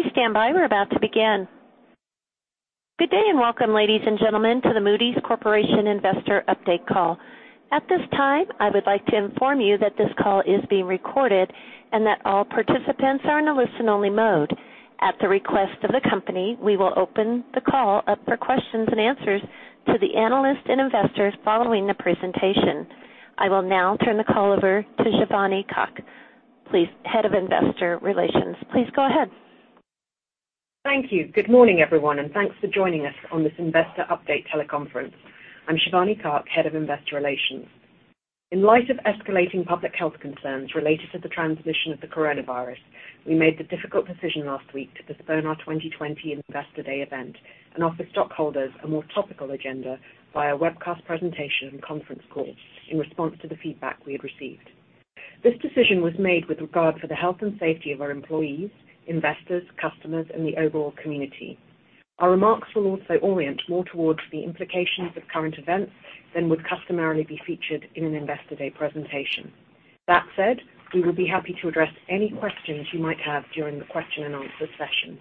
Please stand by. We're about to begin. Good day, and welcome, ladies and gentlemen, to the Moody's Corporation Investor Update Call. At this time, I would like to inform you that this call is being recorded and that all participants are in a listen-only mode. At the request of the company, we will open the call up for questions and answers to the analysts and investors following the presentation. I will now turn the call over to Shivani Kak, Head of Investor Relations. Please go ahead. Thank you. Good morning, everyone, and thanks for joining us on this investor update teleconference. I'm Shivani Kak, Head of Investor Relations. In light of escalating public health concerns related to the transmission of the coronavirus, we made the difficult decision last week to postpone our 2020 Investor Day event and offer stockholders a more topical agenda via webcast presentation and conference call in response to the feedback we had received. This decision was made with regard for the health and safety of our employees, investors, customers, and the overall community. Our remarks will also orient more towards the implications of current events than would customarily be featured in an Investor Day presentation. That said, we will be happy to address any questions you might have during the question-and-answer session.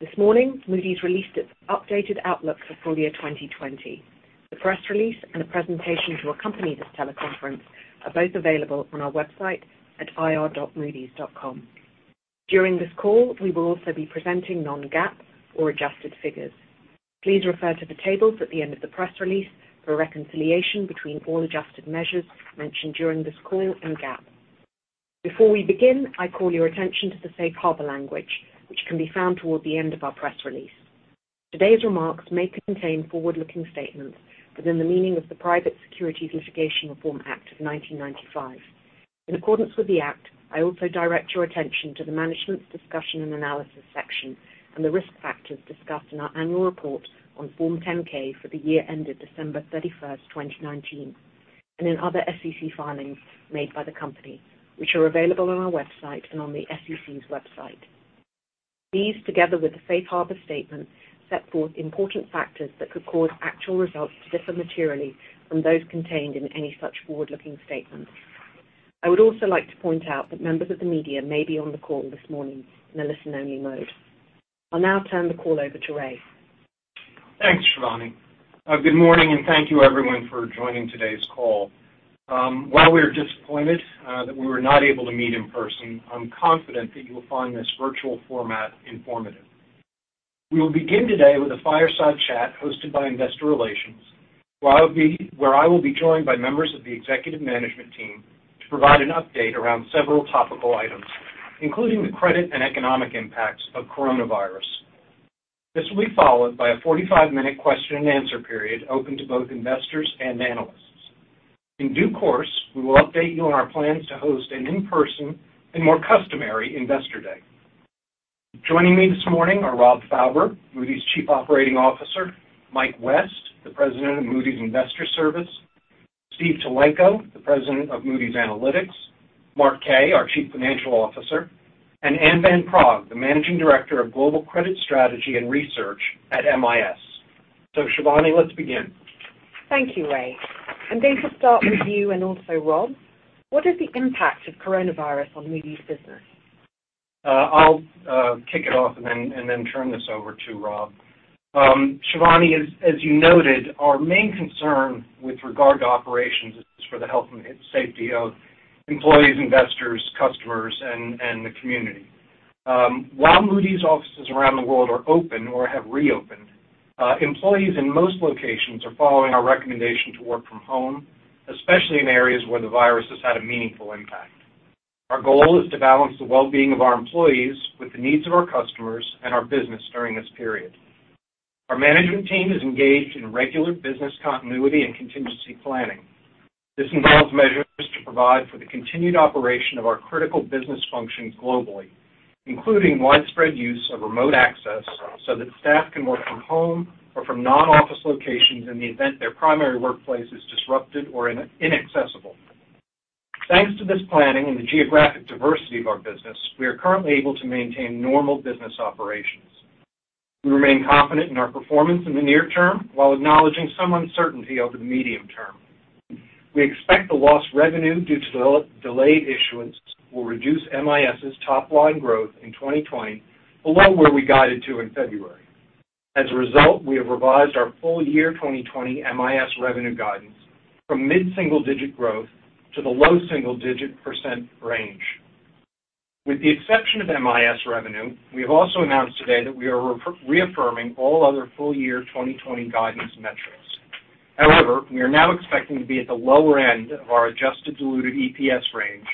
This morning, Moody's released its updated outlook for full-year 2020. The press release and the presentation to accompany this teleconference are both available on our website at ir.moodys.com. During this call, we will also be presenting non-GAAP or adjusted figures. Please refer to the tables at the end of the press release for a reconciliation between all adjusted measures mentioned during this call and GAAP. Before we begin, I call your attention to the safe harbor language, which can be found toward the end of our press release. Today's remarks may contain forward-looking statements within the meaning of the Private Securities Litigation Reform Act of 1995. In accordance with the act, I also direct your attention to the Management's Discussion and Analysis section and the risk factors discussed in our annual report on Form 10-K for the year ended 31st December 2019, and in other SEC filings made by the company, which are available on our website and on the SEC's website. These, together with the safe harbor statement, set forth important factors that could cause actual results to differ materially from those contained in any such forward-looking statements. I would also like to point out that members of the media may be on the call this morning in a listen-only mode. I'll now turn the call over to Ray. Thanks, Shivani. Good morning. Thank you, everyone, for joining today's call. While we are disappointed that we were not able to meet in person, I'm confident that you will find this virtual format informative. We will begin today with a fireside chat hosted by Investor Relations, where I will be joined by members of the executive management team to provide an update around several topical items, including the credit and economic impacts of coronavirus. This will be followed by a 45 minutes question-and-answer period open to both investors and analysts. In due course, we will update you on our plans to host an in-person and more customary Investor Day. Joining me this morning are Rob Fauber, Moody's Chief Operating Officer; Michael West, the President of Moody's Investors Service; Stephen Tulenko, the President of Moody's Analytics; Mark Kaye, our Chief Financial Officer; and Anne Van Praagh, the Managing Director of Global Credit Strategy and Research at MIS. Shivani, let's begin. Thank you, Ray. I'm going to start with you and also Rob. What is the impact of coronavirus on Moody's business? I'll kick it off and then turn this over to Rob. Shivani, as you noted, our main concern with regard to operations is for the health and safety of employees, investors, customers, and the community. While Moody's offices around the world are open or have reopened, employees in most locations are following our recommendation to work from home, especially in areas where the virus has had a meaningful impact. Our goal is to balance the well-being of our employees with the needs of our customers and our business during this period. Our management team is engaged in regular business continuity and contingency planning. This involves measures to provide for the continued operation of our critical business functions globally, including widespread use of remote access so that staff can work from home or from non-office locations in the event their primary workplace is disrupted or inaccessible. Thanks to this planning and the geographic diversity of our business, we are currently able to maintain normal business operations. We remain confident in our performance in the near term while acknowledging some uncertainty over the medium term. We expect the lost revenue due to delayed issuance will reduce MIS's top-line growth in 2020 below where we guided to in February. We have revised our full-year 2020 MIS revenue guidance from mid-single-digit growth to the low single-digit percent range. With the exception of MIS revenue, we have also announced today that we are reaffirming all other full-year 2020 guidance metrics. We are now expecting to be at the lower end of our adjusted diluted EPS range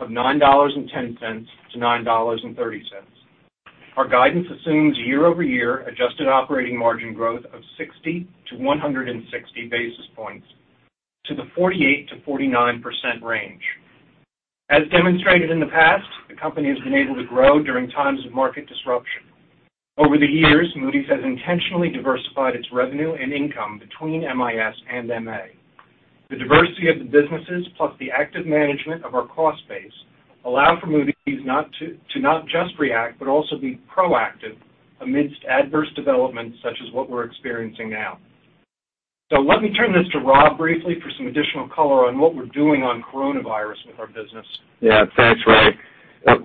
of $9.10-$9.30. Our guidance assumes year-over-year adjusted operating margin growth of 60-160 basis points to the 48%-49% range. As demonstrated in the past, the company has been able to grow during times of market disruption. Over the years, Moody's has intentionally diversified its revenue and income between MIS and MA. The diversity of the businesses, plus the active management of our cost base, allow for Moody's to not just react but also be proactive amidst adverse developments such as what we're experiencing now. Let me turn this to Rob briefly for some additional color on what we're doing on coronavirus with our business. Yeah. Thanks, Ray.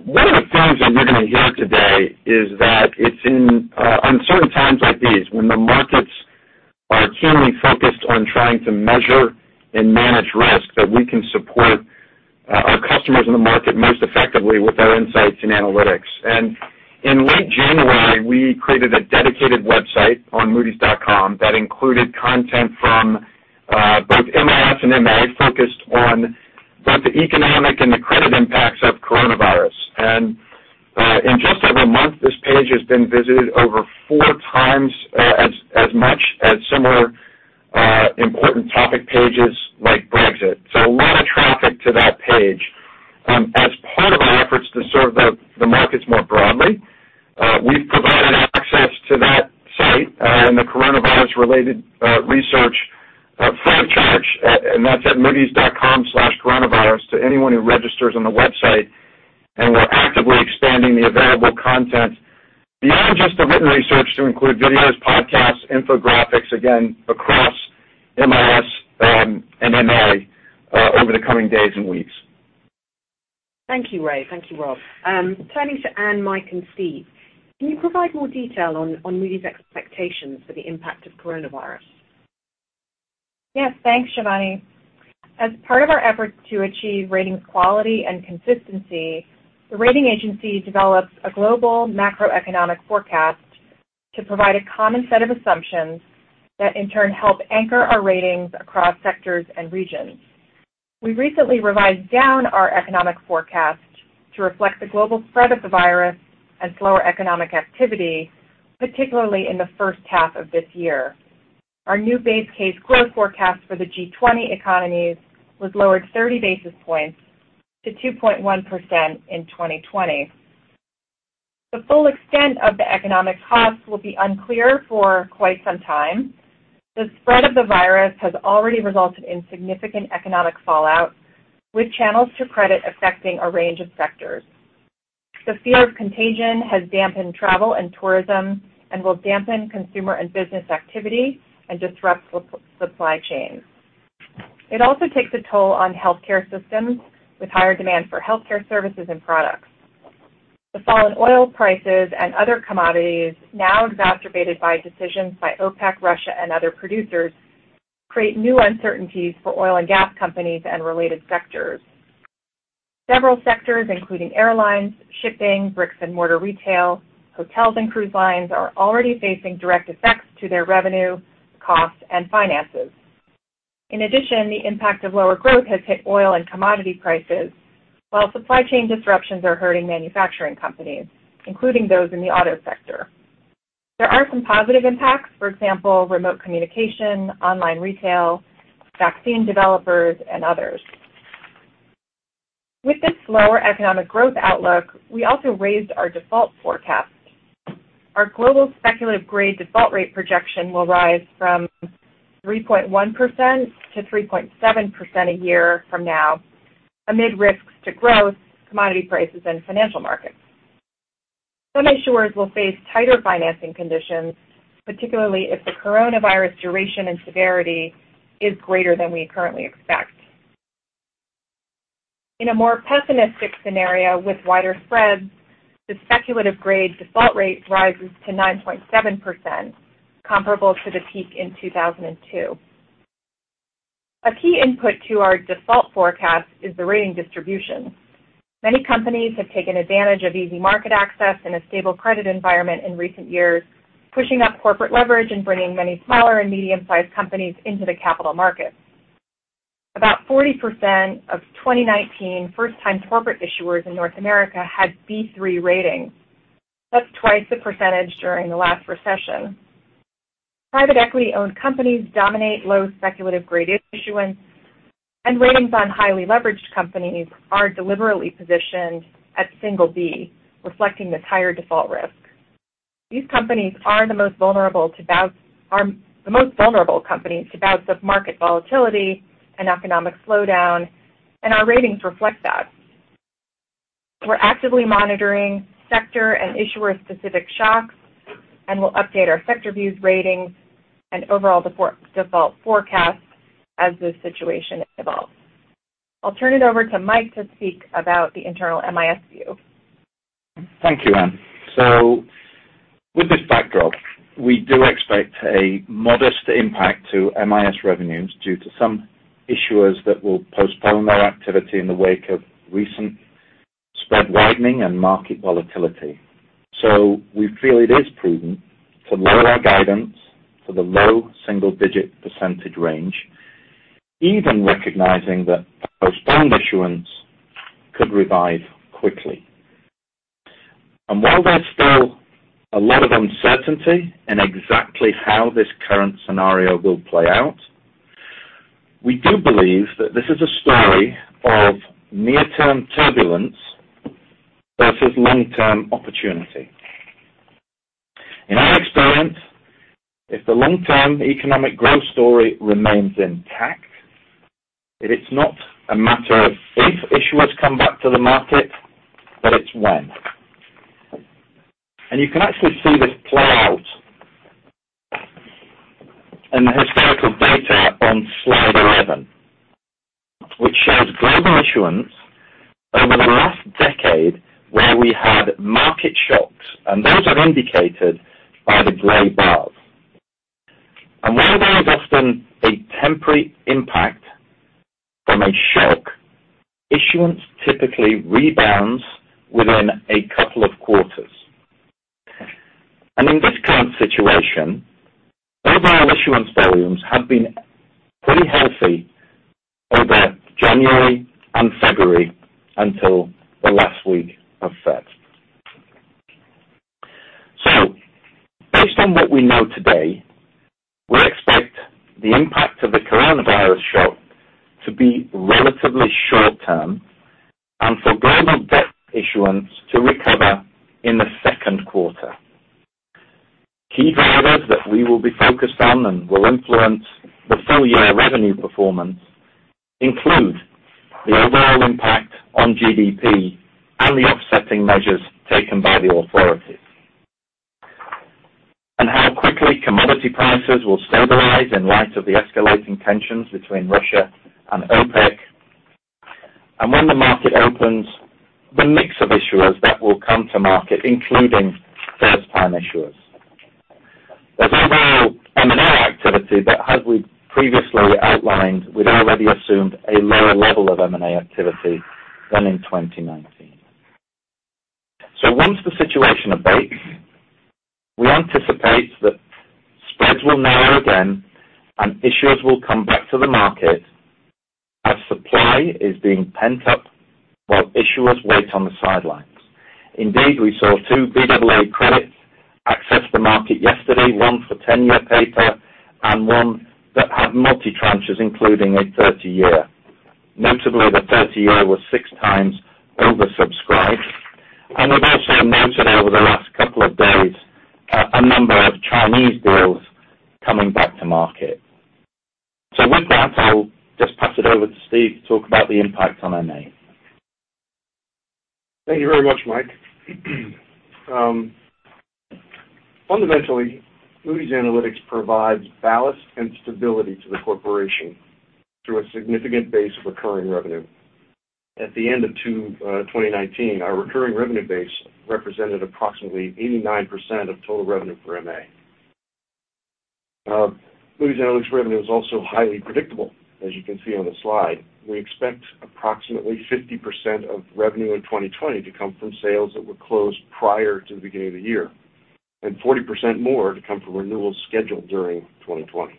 One of the things that you're going to hear today is that it's in uncertain times like these, when the markets are keenly focused on trying to measure and manage risk, that we can support our customers in the market most effectively with our insights and analytics. In late January, we created a dedicated website on moodys.com that included content from both MIS and MA focused on both the economic and the credit impacts of coronavirus. In just over a month, this page has been visited over four times as much as similar important topic pages like Brexit. A lot of traffic to that page. As part of our efforts to serve the markets more broadly, we've provided access to that site and the coronavirus-related research free of charge, and that's at moodys.com/coronavirus to anyone who registers on the website, and we're actively expanding the available content beyond just the written research to include videos, podcasts, infographics, again across MIS and MA over the coming days and weeks. Thank you, Ray. Thank you, Rob. Turning to Anne, Mike, and Steve, can you provide more detail on Moody's expectations for the impact of coronavirus? Yes. Thanks, Shivani. As part of our efforts to achieve ratings quality and consistency, the rating agency develops a global macroeconomic forecast to provide a common set of assumptions that in turn help anchor our ratings across sectors and regions. We recently revised down our economic forecast to reflect the global spread of the virus and slower economic activity, particularly in the first half of this year. Our new base case growth forecast for the G20 economies was lowered 30 basis points to 2.1% in 2020. The full extent of the economic cost will be unclear for quite some time. The spread of the virus has already resulted in significant economic fallout, with channels to credit affecting a range of sectors. The fear of contagion has dampened travel and tourism and will dampen consumer and business activity and disrupt supply chains. It also takes a toll on healthcare systems, with higher demand for healthcare services and products. The fallen oil prices and other commodities now exacerbated by decisions by OPEC, Russia, and other producers create new uncertainties for oil and gas companies and related sectors. Several sectors, including airlines, shipping, bricks and mortar retail, hotels and cruise lines are already facing direct effects to their revenue, costs, and finances. In addition, the impact of lower growth has hit oil and commodity prices, while supply chain disruptions are hurting manufacturing companies, including those in the auto sector. There are some positive impacts. For example, remote communication, online retail, vaccine developers, and others. With this slower economic growth outlook, we also raised our default forecast. Our global speculative-grade default rate projection will rise from 3.1%-3.7% a year from now amid risks to growth, commodity prices, and financial markets. Some issuers will face tighter financing conditions, particularly if the coronavirus duration and severity is greater than we currently expect. In a more pessimistic scenario with wider spreads, the speculative grade default rate rises to 9.7%, comparable to the peak in 2002. A key input to our default forecast is the rating distribution. Many companies have taken advantage of easy market access in a stable credit environment in recent years, pushing up corporate leverage and bringing many smaller and medium-sized companies into the capital markets. About 40% of 2019 first-time corporate issuers in North America had B3 ratings. That's twice the percentage during the last recession. Private equity-owned companies dominate low speculative-grade issuance, and ratings on highly leveraged companies are deliberately positioned at single B, reflecting the higher default risk. These companies are the most vulnerable companies to bouts of market volatility and economic slowdown, and our ratings reflect that. We're actively monitoring sector and issuer-specific shocks, and we'll update our sector views ratings and overall default forecast as the situation evolves. I'll turn it over to Mike to speak about the internal MIS view. Thank you, Anne. With this backdrop, we do expect a modest impact to MIS revenues due to some issuers that will postpone their activity in the wake of recent spread widening and market volatility. We feel it is prudent to lower our guidance for the low single-digit percentage range, even recognizing that postponed issuance could revive quickly. While there's still a lot of uncertainty in exactly how this current scenario will play out, we do believe that this is a story of near-term turbulence versus long-term opportunity. In our experience, if the long-term economic growth story remains intact, it is not a matter of if issuers come back to the market, but it's when. You can actually see this play out in the historical data on slide 11, which shows global issuance over the last decade where we had market shocks, and those are indicated by the gray bars. While there is often a temporary impact from a shock, issuance typically rebounds within a couple of quarters. In this current situation, overall issuance volumes have been pretty healthy over January and February until the last week of March. Based on what we know today, we expect the impact of the coronavirus shock to be relatively short-term and for global debt issuance to recover in the second quarter. Key drivers that we will be focused on and will influence the full-year revenue performance include the overall impact on GDP and the offsetting measures taken by the authorities. How quickly commodity prices will stabilize in light of the escalating tensions between Russia and OPEC. When the market opens, the mix of issuers that will come to market, including first-time issuers. There's overall M&A activity that as we previously outlined, we'd already assumed a lower level of M&A activity than in 2019. Once the situation abates, we anticipate that spreads will narrow again, and issuers will come back to the market as supply is being pent up while issuers wait on the sidelines. Indeed, we saw two Baa credits access the market yesterday, one for 10 year paper and one that had multi tranches, including a 30 years. Notably, the 30-year was six times oversubscribed, and we've also noted over the last couple of days a number of Chinese deals coming back to market. With that, I'll just pass it over to Steve to talk about the impact on MA. Thank you very much, Mike. Fundamentally, Moody's Analytics provides ballast and stability to the corporation through a significant base of recurring revenue. At the end of 2019, our recurring revenue base represented approximately 89% of total revenue for MA. Moody's Analytics revenue is also highly predictable, as you can see on the slide. We expect approximately 50% of revenue in 2020 to come from sales that were closed prior to the beginning of the year, and 40% more to come from renewals scheduled during 2020.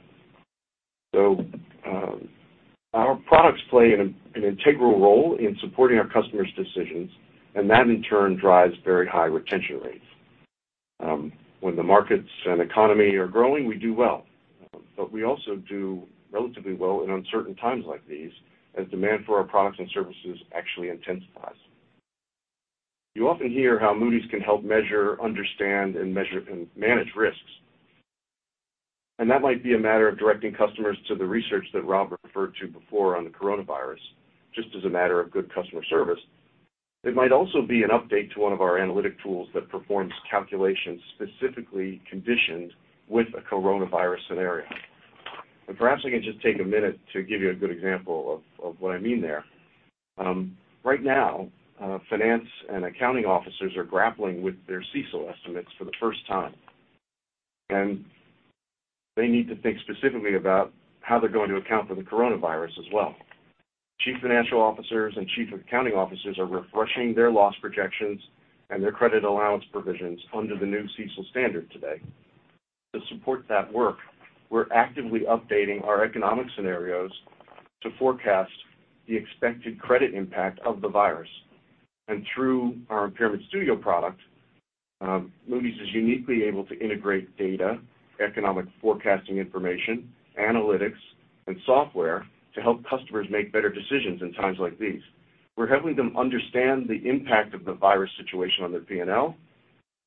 Our products play an integral role in supporting our customers' decisions, and that in turn drives very high retention rates. When the markets and economy are growing, we do well. We also do relatively well in uncertain times like these, as demand for our products and services actually intensifies. You often hear how Moody's can help measure, understand, and manage risks. That might be a matter of directing customers to the research that Rob referred to before on the coronavirus, just as a matter of good customer service. It might also be an update to one of our analytic tools that performs calculations specifically conditioned with a coronavirus scenario. Perhaps I can just take a minute to give you a good example of what I mean there. Right now finance and accounting officers are grappling with their CECL estimates for the first time, and they need to think specifically about how they're going to account for the coronavirus as well. Chief financial officers and chief accounting officers are refreshing their loss projections and their credit allowance provisions under the new CECL standard today. To support that work, we're actively updating our economic scenarios to forecast the expected credit impact of the virus. Through our Impairment Studio product, Moody's is uniquely able to integrate data, economic forecasting information, analytics, and software to help customers make better decisions in times like these. We're helping them understand the impact of the virus situation on their P&L,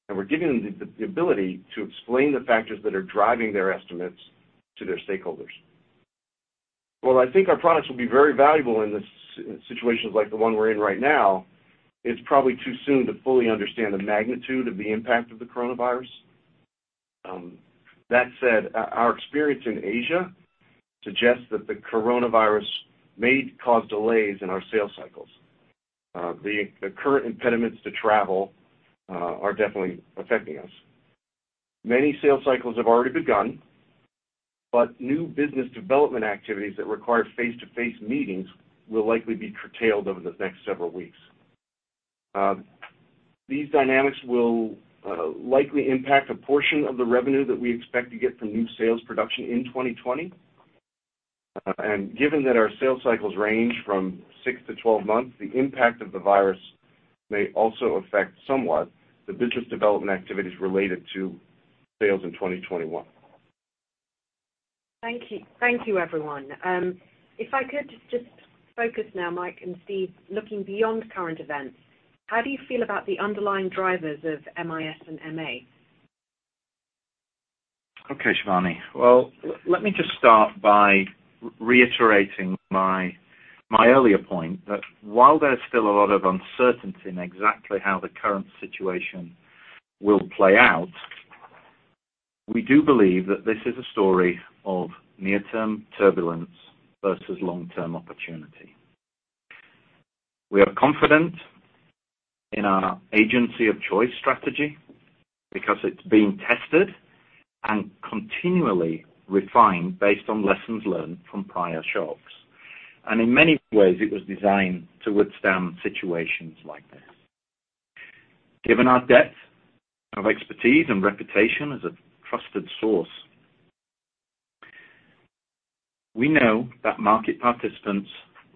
and we're giving them the ability to explain the factors that are driving their estimates to their stakeholders. While I think our products will be very valuable in situations like the one we're in right now, it's probably too soon to fully understand the magnitude of the impact of the coronavirus. That said, our experience in Asia suggests that the coronavirus may cause delays in our sales cycles. The current impediments to travel are definitely affecting us. Many sales cycles have already begun, but new business development activities that require face-to-face meetings will likely be curtailed over the next several weeks. These dynamics will likely impact a portion of the revenue that we expect to get from new sales production in 2020. Given that our sales cycles range from six to 12 months, the impact of the virus may also affect somewhat the business development activities related to sales in 2021. Thank you, everyone. If I could just focus now, Mike and Steve, looking beyond current events, how do you feel about the underlying drivers of MIS and MA? Okay, Shivani. Well, let me just start by reiterating my earlier point that while there is still a lot of uncertainty in exactly how the current situation will play out, we do believe that this is a story of near-term turbulence versus long-term opportunity. We are confident in our agency of choice strategy because it's being tested and continually refined based on lessons learned from prior shocks. In many ways, it was designed to withstand situations like this. Given our depth of expertise and reputation as a trusted source, we know that market participants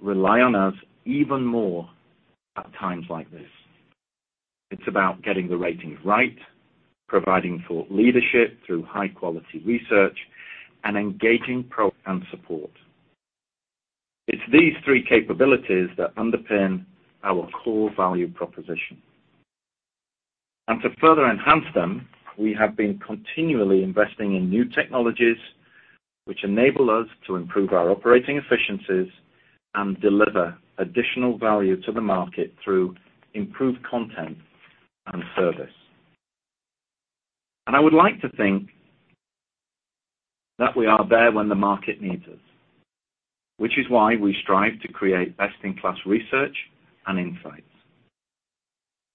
rely on us even more at times like this. It's about getting the ratings right, providing thought leadership through high-quality research, and engaging program support. It's these three capabilities that underpin our core value proposition. To further enhance them, we have been continually investing in new technologies which enable us to improve our operating efficiencies and deliver additional value to the market through improved content and service. I would like to think that we are there when the market needs us, which is why we strive to create best-in-class research and insights.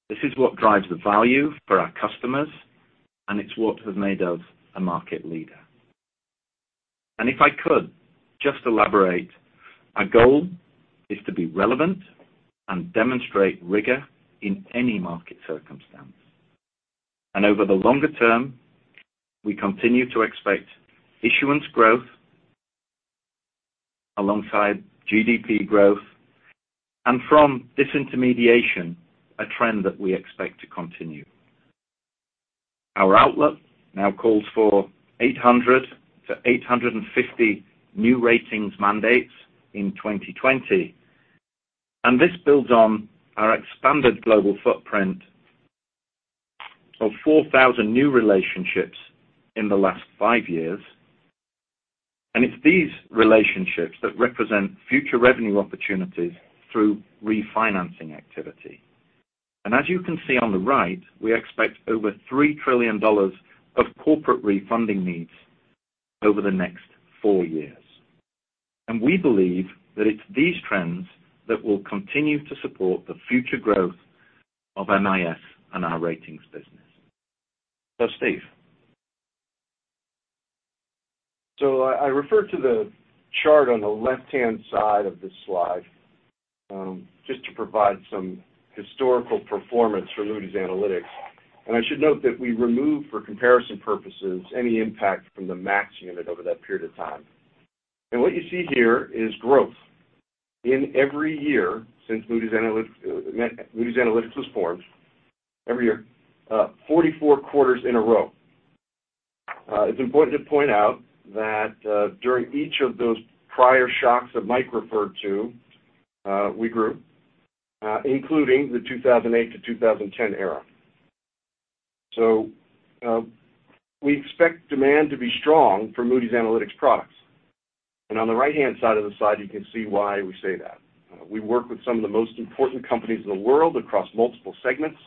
This is what drives the value for our customers, and it's what has made us a market leader. If I could just elaborate, our goal is to be relevant and demonstrate rigor in any market circumstance. Over the longer term, we continue to expect issuance growth alongside GDP growth and from disintermediation, a trend that we expect to continue. Our outlook now calls for 800-850 new ratings mandates in 2020, and this builds on our expanded global footprint of 4,000 new relationships in the last five years. It's these relationships that represent future revenue opportunities through refinancing activity. As you can see on the right, we expect over $3 trillion of corporate refunding needs over the next four years. We believe that it's these trends that will continue to support the future growth of MIS and our ratings business. Steve. I refer to the chart on the left-hand side of this slide just to provide some historical performance for Moody's Analytics. I should note that we removed, for comparison purposes, any impact from the MAKS unit over that period of time. What you see here is growth in every year since Moody's Analytics was formed, every year, 44 quarters in a row. It's important to point out that during each of those prior shocks that Mike referred to, we grew, including the 2008-2010 era. We expect demand to be strong for Moody's Analytics products. On the right-hand side of the slide, you can see why we say that. We work with some of the most important companies in the world across multiple segments.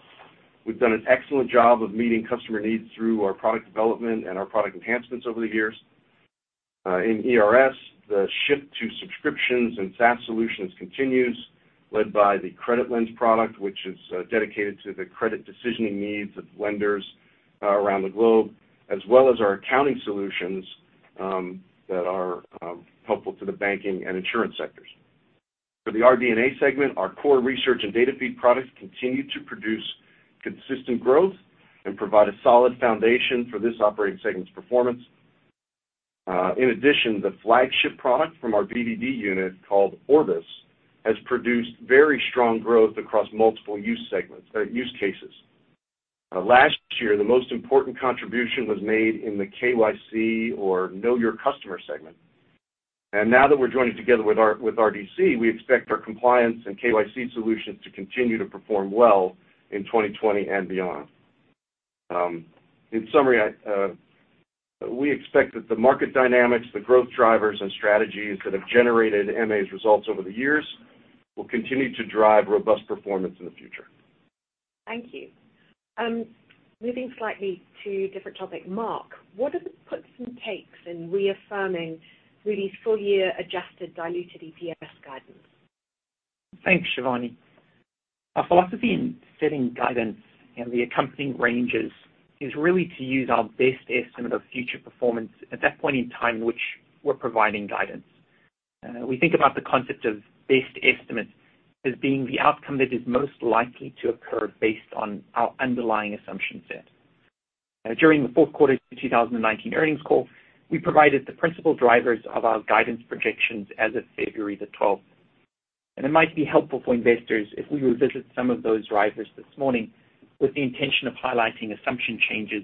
We've done an excellent job of meeting customer needs through our product development and our product enhancements over the years. In ERS, the shift to subscriptions and SaaS solutions continues, led by the CreditLens product, which is dedicated to the credit decisioning needs of lenders around the globe, as well as our accounting solutions that are helpful to the banking and insurance sectors. For the RD&A segment, our core research and data feed products continue to produce consistent growth and provide a solid foundation for this operating segment's performance. The flagship product from our BvD unit called Orbis has produced very strong growth across multiple use cases. Last year, the most important contribution was made in the KYC or Know Your Customer segment. Now that we're joining together with RDC, we expect our compliance and KYC solutions to continue to perform well in 2020 and beyond. In summary, we expect that the market dynamics, the growth drivers, and strategies that have generated MA's results over the years will continue to drive robust performance in the future. Thank you. Moving slightly to a different topic. Mark, what are the puts and takes in reaffirming Moody's full-year adjusted diluted EPS guidance? Thanks, Shivani. Our philosophy in setting guidance and the accompanying ranges is really to use our best estimate of future performance at that point in time which we're providing guidance. We think about the concept of best estimates as being the outcome that is most likely to occur based on our underlying assumption set. During the fourth quarter 2019 earnings call, we provided the principal drivers of our guidance projections as of February the 12th. It might be helpful for investors if we revisit some of those drivers this morning with the intention of highlighting assumption changes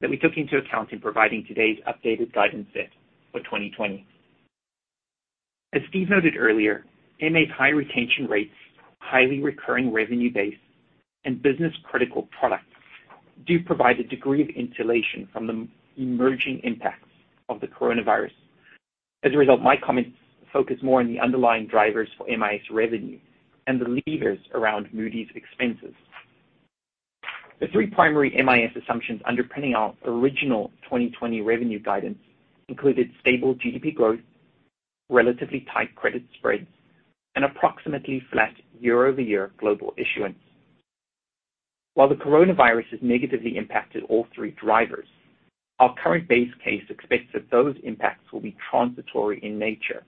that we took into account in providing today's updated guidance set for 2020. As Steve noted earlier, MA's high retention rates, highly recurring revenue base, and business-critical products do provide a degree of insulation from the emerging impacts of the coronavirus. My comments focus more on the underlying drivers for MIS revenue and the levers around Moody's expenses. The three primary MIS assumptions underpinning our original 2020 revenue guidance included stable GDP growth, relatively tight credit spreads, and approximately flat year-over-year global issuance. The coronavirus has negatively impacted all three drivers, our current base case expects that those impacts will be transitory in nature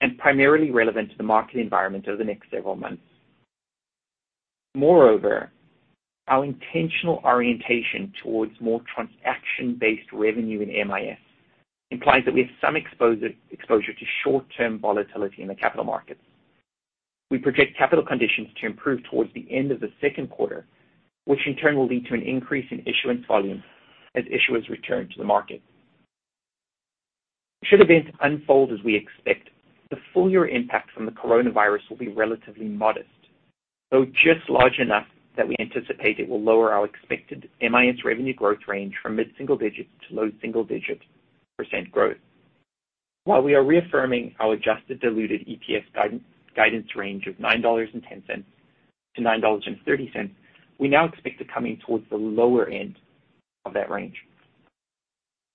and primarily relevant to the market environment over the next several months. Our intentional orientation towards more transaction-based revenue in MIS implies that we have some exposure to short-term volatility in the capital markets. We project capital conditions to improve towards the end of the second quarter, which in turn will lead to an increase in issuance volume as issuers return to the market. Should events unfold as we expect, the full year impact from the coronavirus will be relatively modest, though just large enough that we anticipate it will lower our expected MIS revenue growth range from mid-single digits to low single-digit percent growth. While we are reaffirming our adjusted diluted EPS guidance range of $9.10-$9.30, we now expect it coming towards the lower end of that range.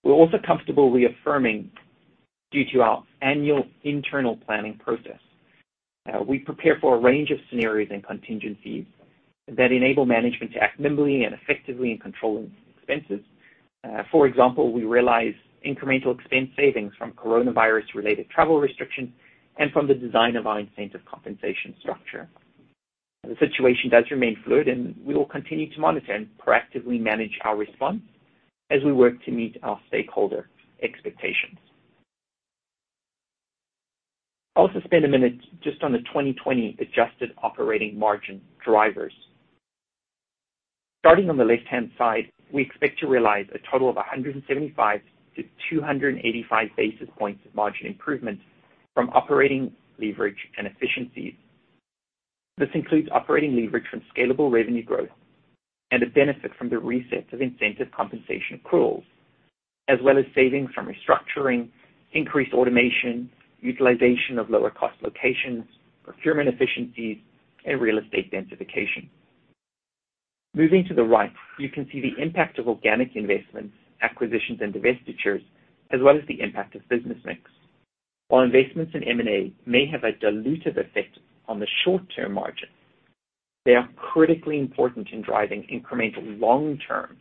We're also comfortably affirming due to our annual internal planning process. We prepare for a range of scenarios and contingencies that enable management to act nimbly and effectively in controlling expenses. For example, we realize incremental expense savings from coronavirus-related travel restrictions and from the design of our incentive compensation structure. The situation does remain fluid, and we will continue to monitor and proactively manage our response as we work to meet our stakeholder expectations. I'll also spend a minute just on the 2020 adjusted operating margin drivers. Starting on the left-hand side, we expect to realize a total of 175-285 basis points of margin improvement from operating leverage and efficiencies. This includes operating leverage from scalable revenue growth and a benefit from the reset of incentive compensation accruals, as well as savings from restructuring, increased automation, utilization of lower-cost locations, procurement efficiencies, and real estate densification. Moving to the right, you can see the impact of organic investments, acquisitions, and divestitures, as well as the impact of business mix. While investments in M&A may have a dilutive effect on the short-term margin, they are critically important in driving incremental long-term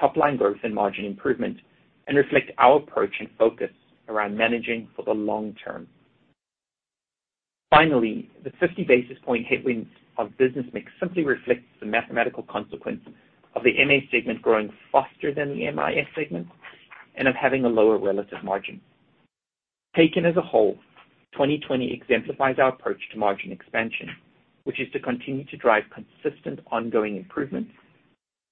top-line growth and margin improvement and reflect our approach and focus around managing for the long term. Finally, the 50 basis point headwind of business mix simply reflects the mathematical consequence of the MA segment growing faster than the MIS segment and of having a lower relative margin. Taken as a whole, 2020 exemplifies our approach to margin expansion, which is to continue to drive consistent, ongoing improvements,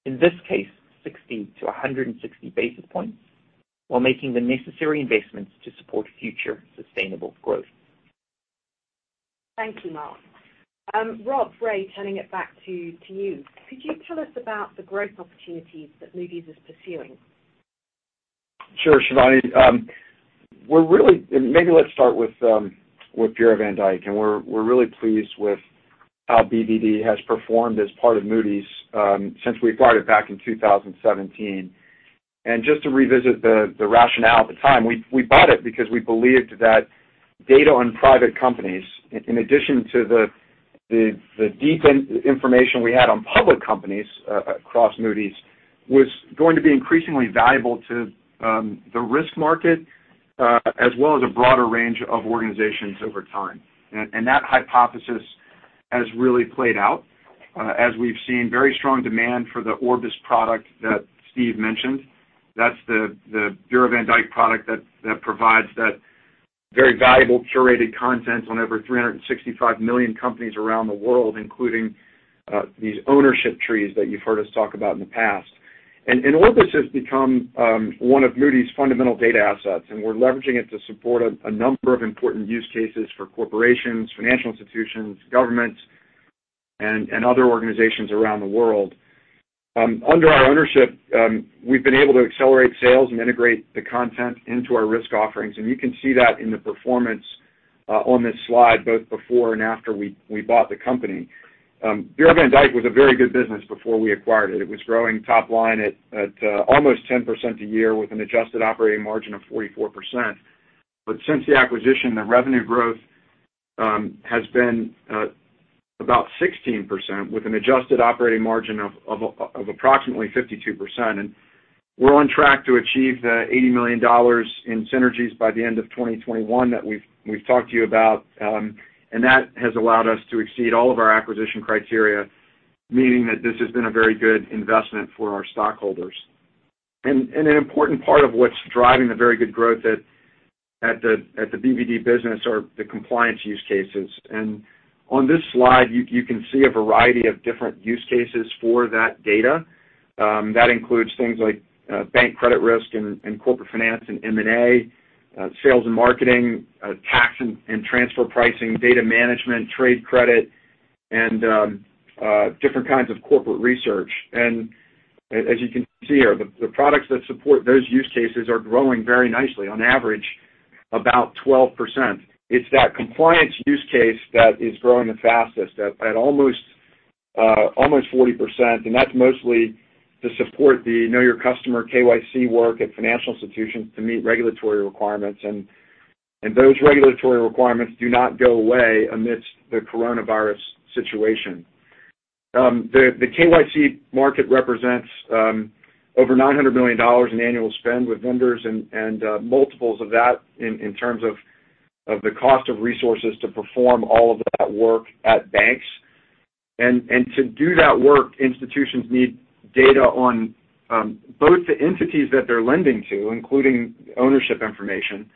in this case, 60 to 160 basis points, while making the necessary investments to support future sustainable growth. Thank you, Mark. Rob, Ray, turning it back to you. Could you tell us about the growth opportunities that Moody's is pursuing? Sure, Shivani. Maybe let's start with Bureau van Dijk. We're really pleased with how BvD has performed as part of Moody's since we acquired it back in 2017. Just to revisit the rationale at the time, we bought it because we believed that data on private companies, in addition to the deep information we had on public companies across Moody's, was going to be increasingly valuable to the risk market as well as a broader range of organizations over time. That hypothesis has really played out as we've seen very strong demand for the Orbis product that Steve mentioned. That's the Bureau van Dijk product that provides that very valuable curated content on over 365 million companies around the world, including these ownership trees that you've heard us talk about in the past. Orbis has become one of Moody's fundamental data assets, and we're leveraging it to support a number of important use cases for corporations, financial institutions, governments, and other organizations around the world. Under our ownership, we've been able to accelerate sales and integrate the content into our risk offerings. You can see that in the performance on this slide, both before and after we bought the company. Bureau van Dijk was a very good business before we acquired it. It was growing top line at almost 10% a year with an adjusted operating margin of 44%. Since the acquisition, the revenue growth has been about 16% with an adjusted operating margin of approximately 52%. We're on track to achieve the $80 million in synergies by the end of 2021 that we've talked to you about. That has allowed us to exceed all of our acquisition criteria, meaning that this has been a very good investment for our stockholders. An important part of what's driving the very good growth at the BvD business are the compliance use cases. On this slide, you can see a variety of different use cases for that data. That includes things like bank credit risk and corporate finance and M&A, sales and marketing, tax and transfer pricing, data management, trade credit, and different kinds of corporate research. As you can see here, the products that support those use cases are growing very nicely, on average, about 12%. It's that compliance use case that is growing the fastest at almost 40%, and that's mostly to support the Know Your Customer, KYC work at financial institutions to meet regulatory requirements. Those regulatory requirements do not go away amidst the coronavirus situation. The KYC market represents over $900 million in annual spend with vendors and multiples of that in terms of the cost of resources to perform all of that work at banks. To do that work, institutions need data on both the entities that they're lending to, including ownership information,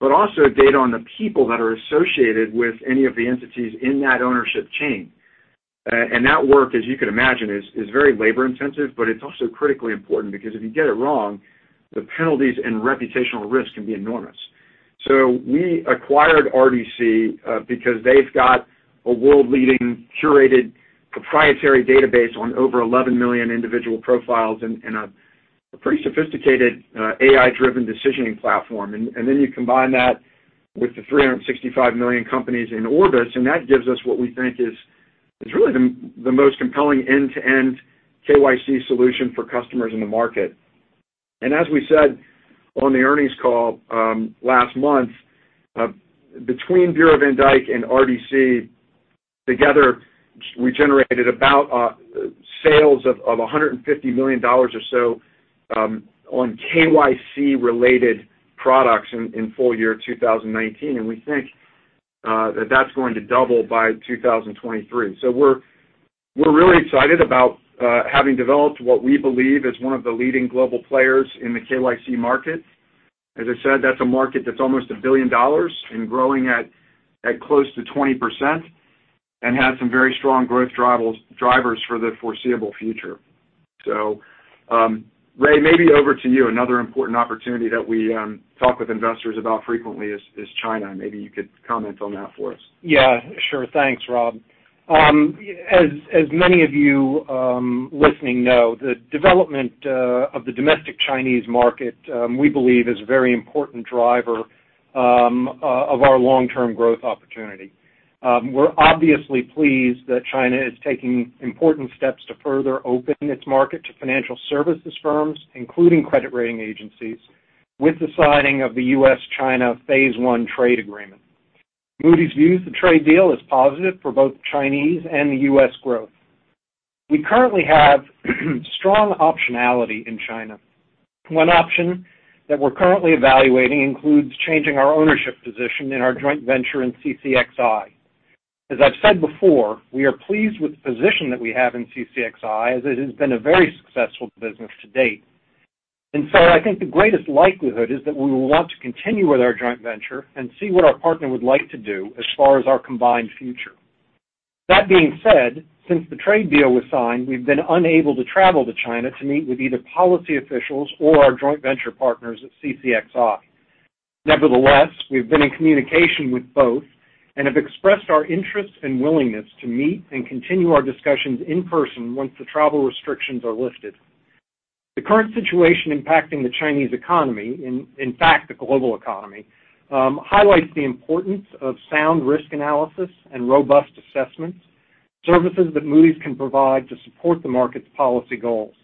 but also data on the people that are associated with any of the entities in that ownership chain. That work, as you could imagine, is very labor-intensive, but it's also critically important because if you get it wrong, the penalties and reputational risk can be enormous. We acquired RDC because they've got a world-leading curated proprietary database on over 11 million individual profiles and a pretty sophisticated AI-driven decisioning platform. You combine that with the 365 million companies in Orbis, that gives us what we think is really the most compelling end-to-end KYC solution for customers in the market. As we said on the earnings call last month, between Bureau van Dijk and RDC, together, we generated about sales of $150 million or so on KYC-related products in full year 2019, we think that that's going to double by 2023. We're really excited about having developed what we believe is one of the leading global players in the KYC market. As I said, that's a market that's almost a billion dollars and growing at close to 20% and has some very strong growth drivers for the foreseeable future. Ray, maybe over to you. Another important opportunity that we talk with investors about frequently is China. Maybe you could comment on that for us. Yeah. Sure. Thanks, Rob. As many of you listening know, the development of the domestic Chinese market we believe is a very important driver of our long-term growth opportunity. We're obviously pleased that China is taking important steps to further open its market to financial services firms, including credit rating agencies, with the signing of the U.S./China Phase One Trade Agreement. Moody's views the trade deal as positive for both Chinese and the U.S. growth. We currently have strong optionality in China. One option that we're currently evaluating includes changing our ownership position in our joint venture in CCXI. As I've said before, we are pleased with the position that we have in CCXI, as it has been a very successful business to date. I think the greatest likelihood is that we will want to continue with our joint venture and see what our partner would like to do as far as our combined future. That being said, since the trade deal was signed, we've been unable to travel to China to meet with either policy officials or our joint venture partners at CCXI. Nevertheless, we've been in communication with both and have expressed our interest and willingness to meet and continue our discussions in person once the travel restrictions are lifted. The current situation impacting the Chinese economy, in fact, the global economy, highlights the importance of sound risk analysis and robust assessments, services that Moody's can provide to support the market's policy goals.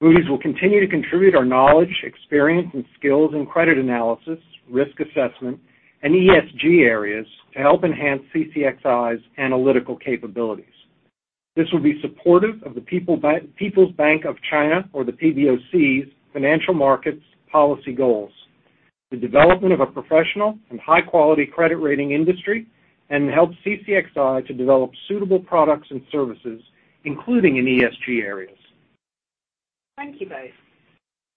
Moody's will continue to contribute our knowledge, experience and skills in credit analysis, risk assessment, and ESG areas to help enhance CCXI's analytical capabilities. This will be supportive of the People's Bank of China, or the PBOC's financial markets policy goals. The development of a professional and high-quality credit rating industry and help CCXI to develop suitable products and services, including in ESG areas. Thank you both.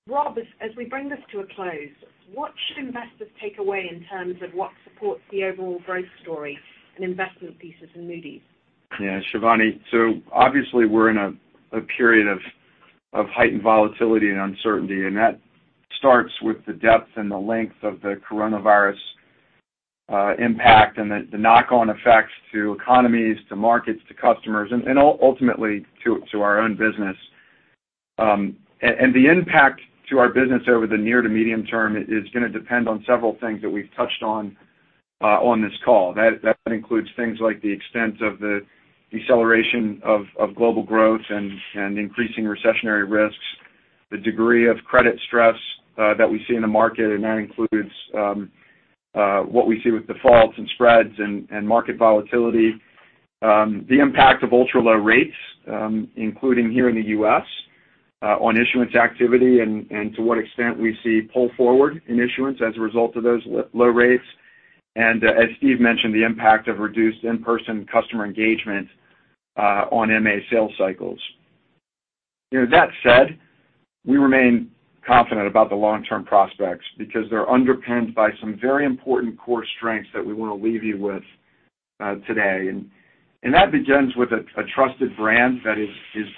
Rob, as we bring this to a close, what should investors take away in terms of what supports the overall growth story and investment thesis in Moody's? Shivani. Obviously, we're in a period of heightened volatility and uncertainty, and that starts with the depth and the length of the coronavirus impact and the knock-on effects to economies, to markets, to customers, and ultimately to our own business. The impact to our business over the near to medium term is going to depend on several things that we've touched on this call. That includes things like the extent of the deceleration of global growth and increasing recessionary risks, the degree of credit stress that we see in the market, and that includes what we see with defaults and spreads and market volatility. The impact of ultra-low rates including here in the U.S. on issuance activity and to what extent we see pull forward in issuance as a result of those low rates. As Steve mentioned, the impact of reduced in-person customer engagement on MA sales cycles. That said, we remain confident about the long-term prospects because they're underpinned by some very important core strengths that we want to leave you with today. That begins with a trusted brand that is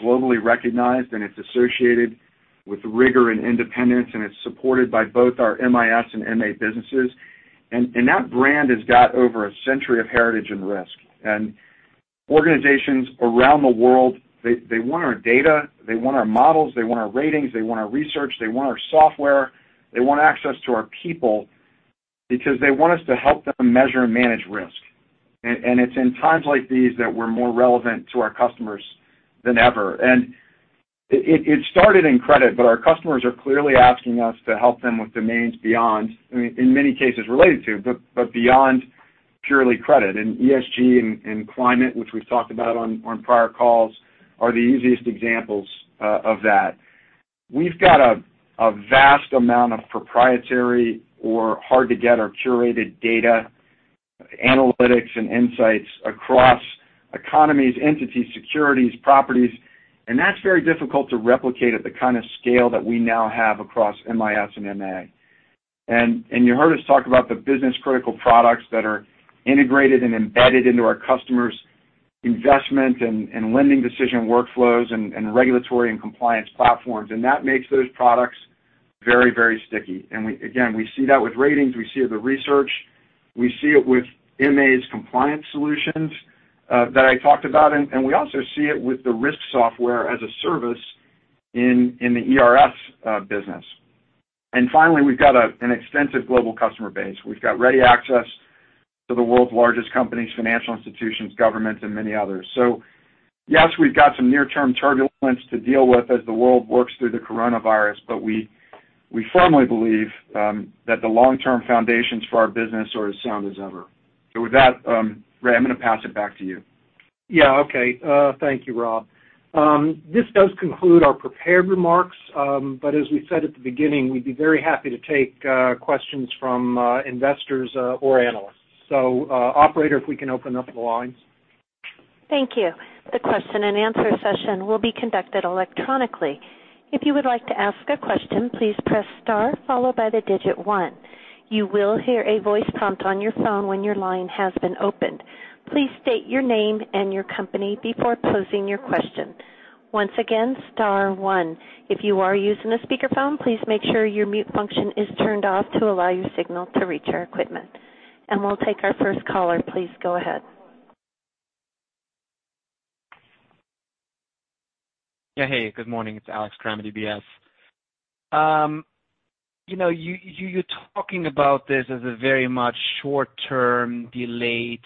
globally recognized, and it's associated with rigor and independence, and it's supported by both our MIS and MA businesses. That brand has got over a century of heritage and risk. Organizations around the world, they want our data, they want our models, they want our ratings, they want our research, they want our software, they want access to our people because they want us to help them measure and manage risk. It's in times like these that we're more relevant to our customers than ever. It started in credit, but our customers are clearly asking us to help them with domains beyond, in many cases related to, but beyond purely credit. ESG and climate, which we've talked about on prior calls, are the easiest examples of that. We've got a vast amount of proprietary or hard-to-get or curated data, analytics, and insights across economies, entities, securities, properties, and that's very difficult to replicate at the kind of scale that we now have across MIS and MA. You heard us talk about the business-critical products that are integrated and embedded into our customers' investment and lending decision workflows and regulatory and compliance platforms. That makes those products very sticky. Again, we see that with ratings, we see it with research, we see it with MA's compliance solutions that I talked about, and we also see it with the risk software as a service in the ERS business. Finally, we've got an extensive global customer base. We've got ready access to the world's largest companies, financial institutions, governments, and many others. Yes, we've got some near-term turbulence to deal with as the world works through the coronavirus, but we firmly believe that the long-term foundations for our business are as sound as ever. With that, Ray, I'm going to pass it back to you. Yeah. Okay. Thank you, Rob. This does conclude our prepared remarks. As we said at the beginning, we'd be very happy to take questions from investors or analysts. Operator, if we can open up the lines. Thank you. The question and answer session will be conducted electronically. If you would like to ask a question, please Press Star followed by the digit 1. You will hear a voice prompt on your phone when your line has been opened. Please state your name and your company before posing your question. Once again, star one. If you are using a speakerphone, please make sure your mute function is turned off to allow your signal to reach our equipment. We'll take our first caller. Please go ahead. Yeah. Hey, good morning. It's Alex Kramm at UBS. You're talking about this as a very much short term delayed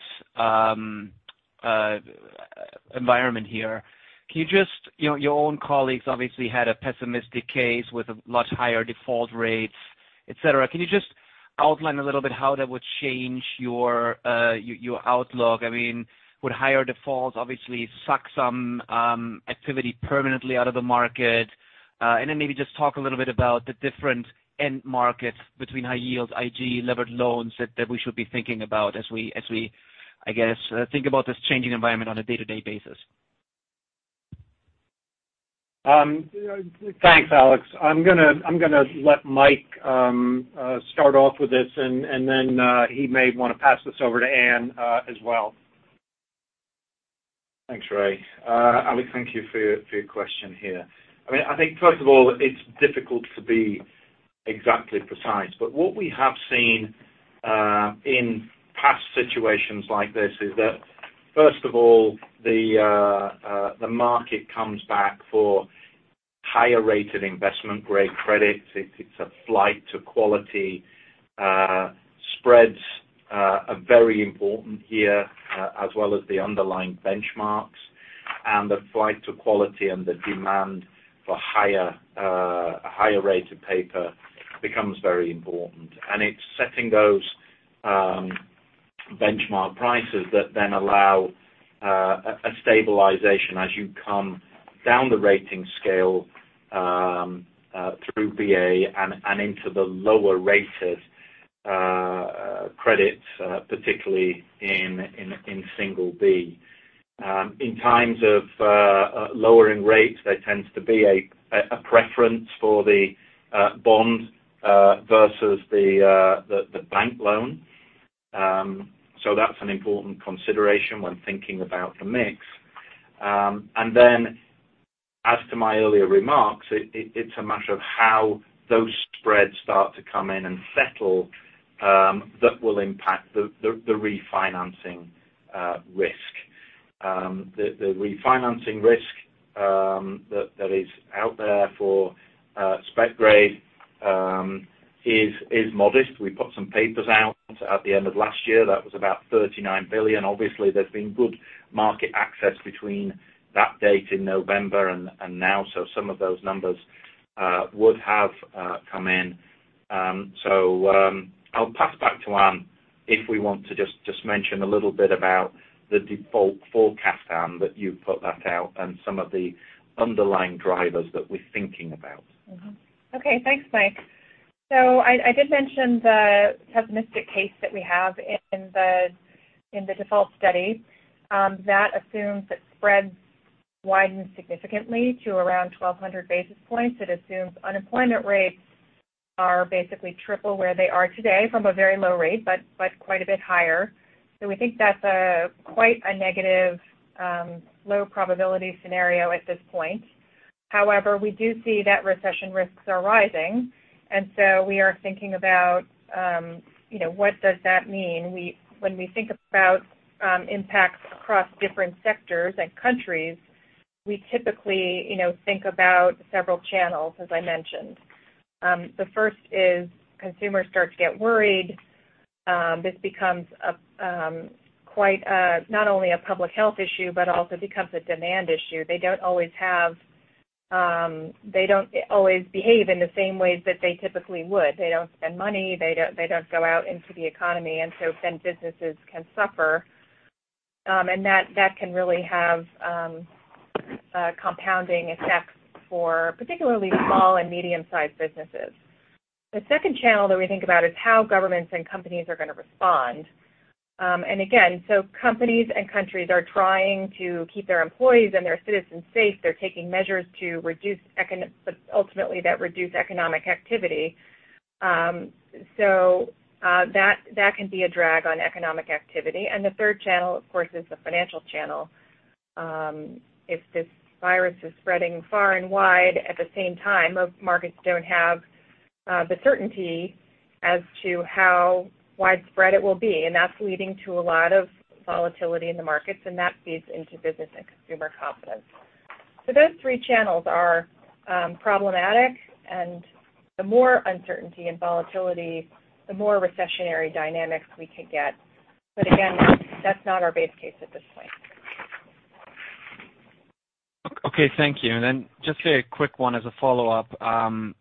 environment here. Your own colleagues obviously had a pessimistic case with much higher default rates, et cetera. Can you just outline a little bit how that would change your outlook? Would higher defaults obviously suck some activity permanently out of the market? Maybe just talk a little bit about the different end markets between high yield, IG, levered loans that we should be thinking about as we think about this changing environment on a day-to-day basis. Thanks, Alex. I'm going to let Mike start off with this, and then he may want to pass this over to Anne as well. Thanks, Ray. Alex, thank you for your question here. I think first of all, it's difficult to be exactly precise, but what we have seen in past situations like this is that first of all, the market comes back for higher-rated investment-grade credits. It's a flight to quality. Spreads are very important here, as well as the underlying benchmarks, and the flight to quality and the demand for higher rates of paper becomes very important. It's setting those benchmark prices that then allow a stabilization as you come down the rating scale through Baa and into the lower-rated credits, particularly in single B. In times of lowering rates, there tends to be a preference for the bond versus the bank loan. That's an important consideration when thinking about the mix. As to my earlier remarks, it's a matter of how those spreads start to come in and settle that will impact the refinancing risk. The refinancing risk that is out there for spec grade is modest. We put some papers out at the end of last year. That was about $39 billion. Obviously, there's been good market access between that date in November and now. Some of those numbers would have come in. I'll pass back to Anne if we want to just mention a little bit about the default forecast, Anne, that you put that out and some of the underlying drivers that we're thinking about. Okay. Thanks, Mike. I did mention the pessimistic case that we have in the default study. That assumes that spreads widen significantly to around 1,200 basis points. It assumes unemployment rates are basically triple where they are today from a very low rate, but quite a bit higher. We think that's quite a negative, low probability scenario at this point. However, we do see that recession risks are rising, and so we are thinking about what does that mean. When we think about impacts across different sectors and countries, we typically think about several channels, as I mentioned. The first is consumers start to get worried. This becomes not only a public health issue, but also becomes a demand issue. They don't always behave in the same ways that they typically would. They don't spend money. They don't go out into the economy, and so then businesses can suffer. That can really have compounding effects for particularly small and medium-sized businesses. The second channel that we think about is how governments and companies are going to respond. Again, companies and countries are trying to keep their employees and their citizens safe. They're taking measures to ultimately reduce economic activity. That can be a drag on economic activity. The third channel, of course, is the financial channel. If this virus is spreading far and wide at the same time, markets don't have the certainty as to how widespread it will be, and that's leading to a lot of volatility in the markets, and that feeds into business and consumer confidence. Those three channels are problematic, and the more uncertainty and volatility, the more recessionary dynamics we could get. Again, that's not our base case at this point. Okay. Thank you. Just a quick one as a follow-up. On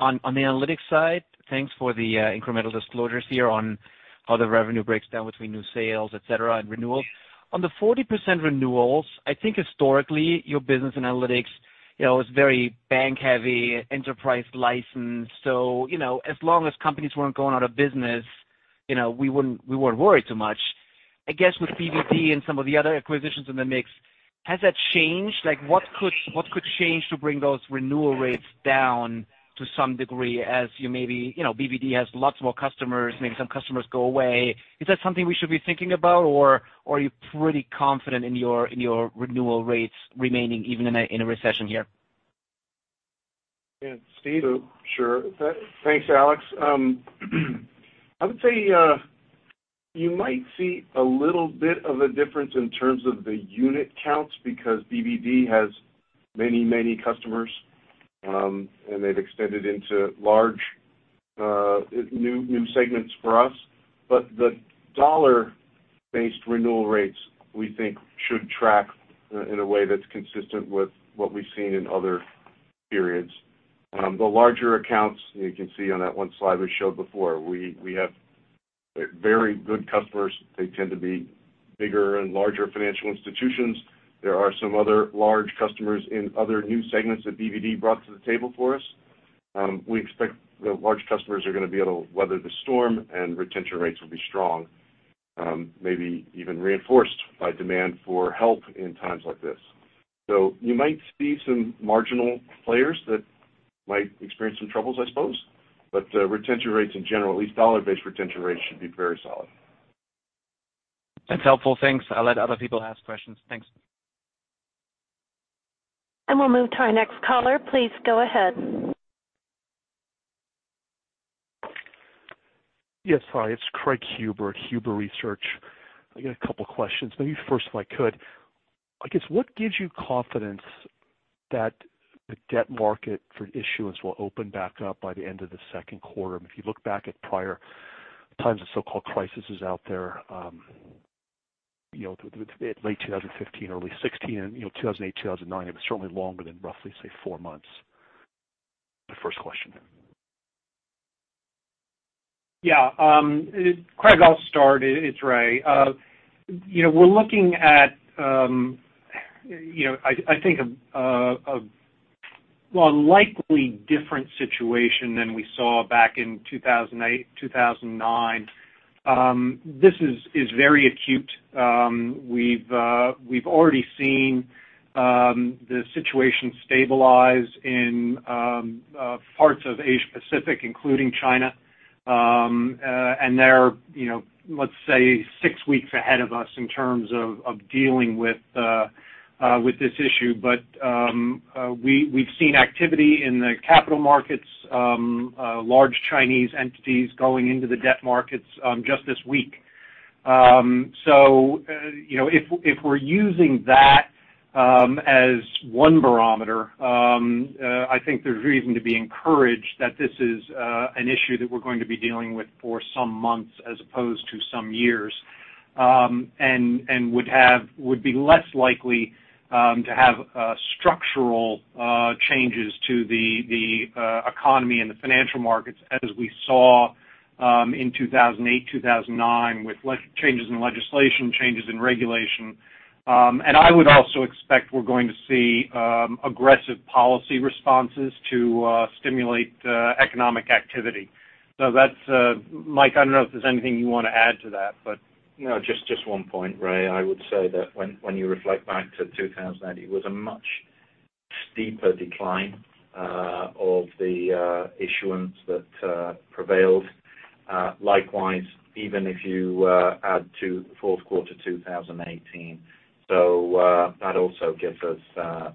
the Analytics side, thanks for the incremental disclosures here on how the revenue breaks down between new sales, et cetera, and renewals. On the 40% renewals, I think historically, your business Analytics was very bank-heavy, enterprise license. As long as companies weren't going out of business, we wouldn't worry too much. I guess with BvD and some of the other acquisitions in the mix, has that changed? What could change to bring those renewal rates down to some degree as BvD has lots more customers, maybe some customers go away. Is that something we should be thinking about, or are you pretty confident in your renewal rates remaining even in a recession here? Yeah, Steve. Sure. Thanks, Alex. I would say you might see a little bit of a difference in terms of the unit counts because BvD has many customers, and they've extended into large new segments for us. The dollar-based renewal rates, we think should track in a way that's consistent with what we've seen in other periods. The larger accounts, you can see on that one slide we showed before, we have very good customers. They tend to be bigger and larger financial institutions. There are some other large customers in other new segments that BvD brought to the table for us. We expect the large customers are going to be able to weather the storm and retention rates will be strong, maybe even reinforced by demand for help in times like this. You might see some marginal players that might experience some troubles, I suppose. Retention rates in general, at least dollar-based retention rates, should be very solid. That's helpful. Thanks. I'll let other people ask questions. Thanks. We'll move to our next caller. Please go ahead. Yes. Hi, it's Craig Huber at Huber Research. I got a couple of questions. Maybe first, if I could. I guess, what gives you confidence that the debt market for issuance will open back up by the end of the second quarter? If you look back at prior times of so-called crises out there, late 2015, early 2016, and 2008, 2009, it was certainly longer than roughly, say, four months. My first question. Yeah. Craig, I'll start. It's Ray. We're looking at I think a likely different situation than we saw back in 2008, 2009. This is very acute. We've already seen the situation stabilize in parts of Asia Pacific, including China, and they're let's say six weeks ahead of us in terms of dealing with this issue. We've seen activity in the capital markets, large Chinese entities going into the debt markets just this week. If we're using that as one barometer, I think there's reason to be encouraged that this is an issue that we're going to be dealing with for some months as opposed to some years. Would be less likely to have structural changes to the economy and the financial markets as we saw in 2008, 2009, with changes in legislation, changes in regulation. I would also expect we're going to see aggressive policy responses to stimulate economic activity. Mike, I don't know if there's anything you want to add to that. Just one point, Ray. I would say that when you reflect back to 2008, it was a much steeper decline of the issuance that prevailed. Likewise, even if you add to fourth quarter 2018, that also gives us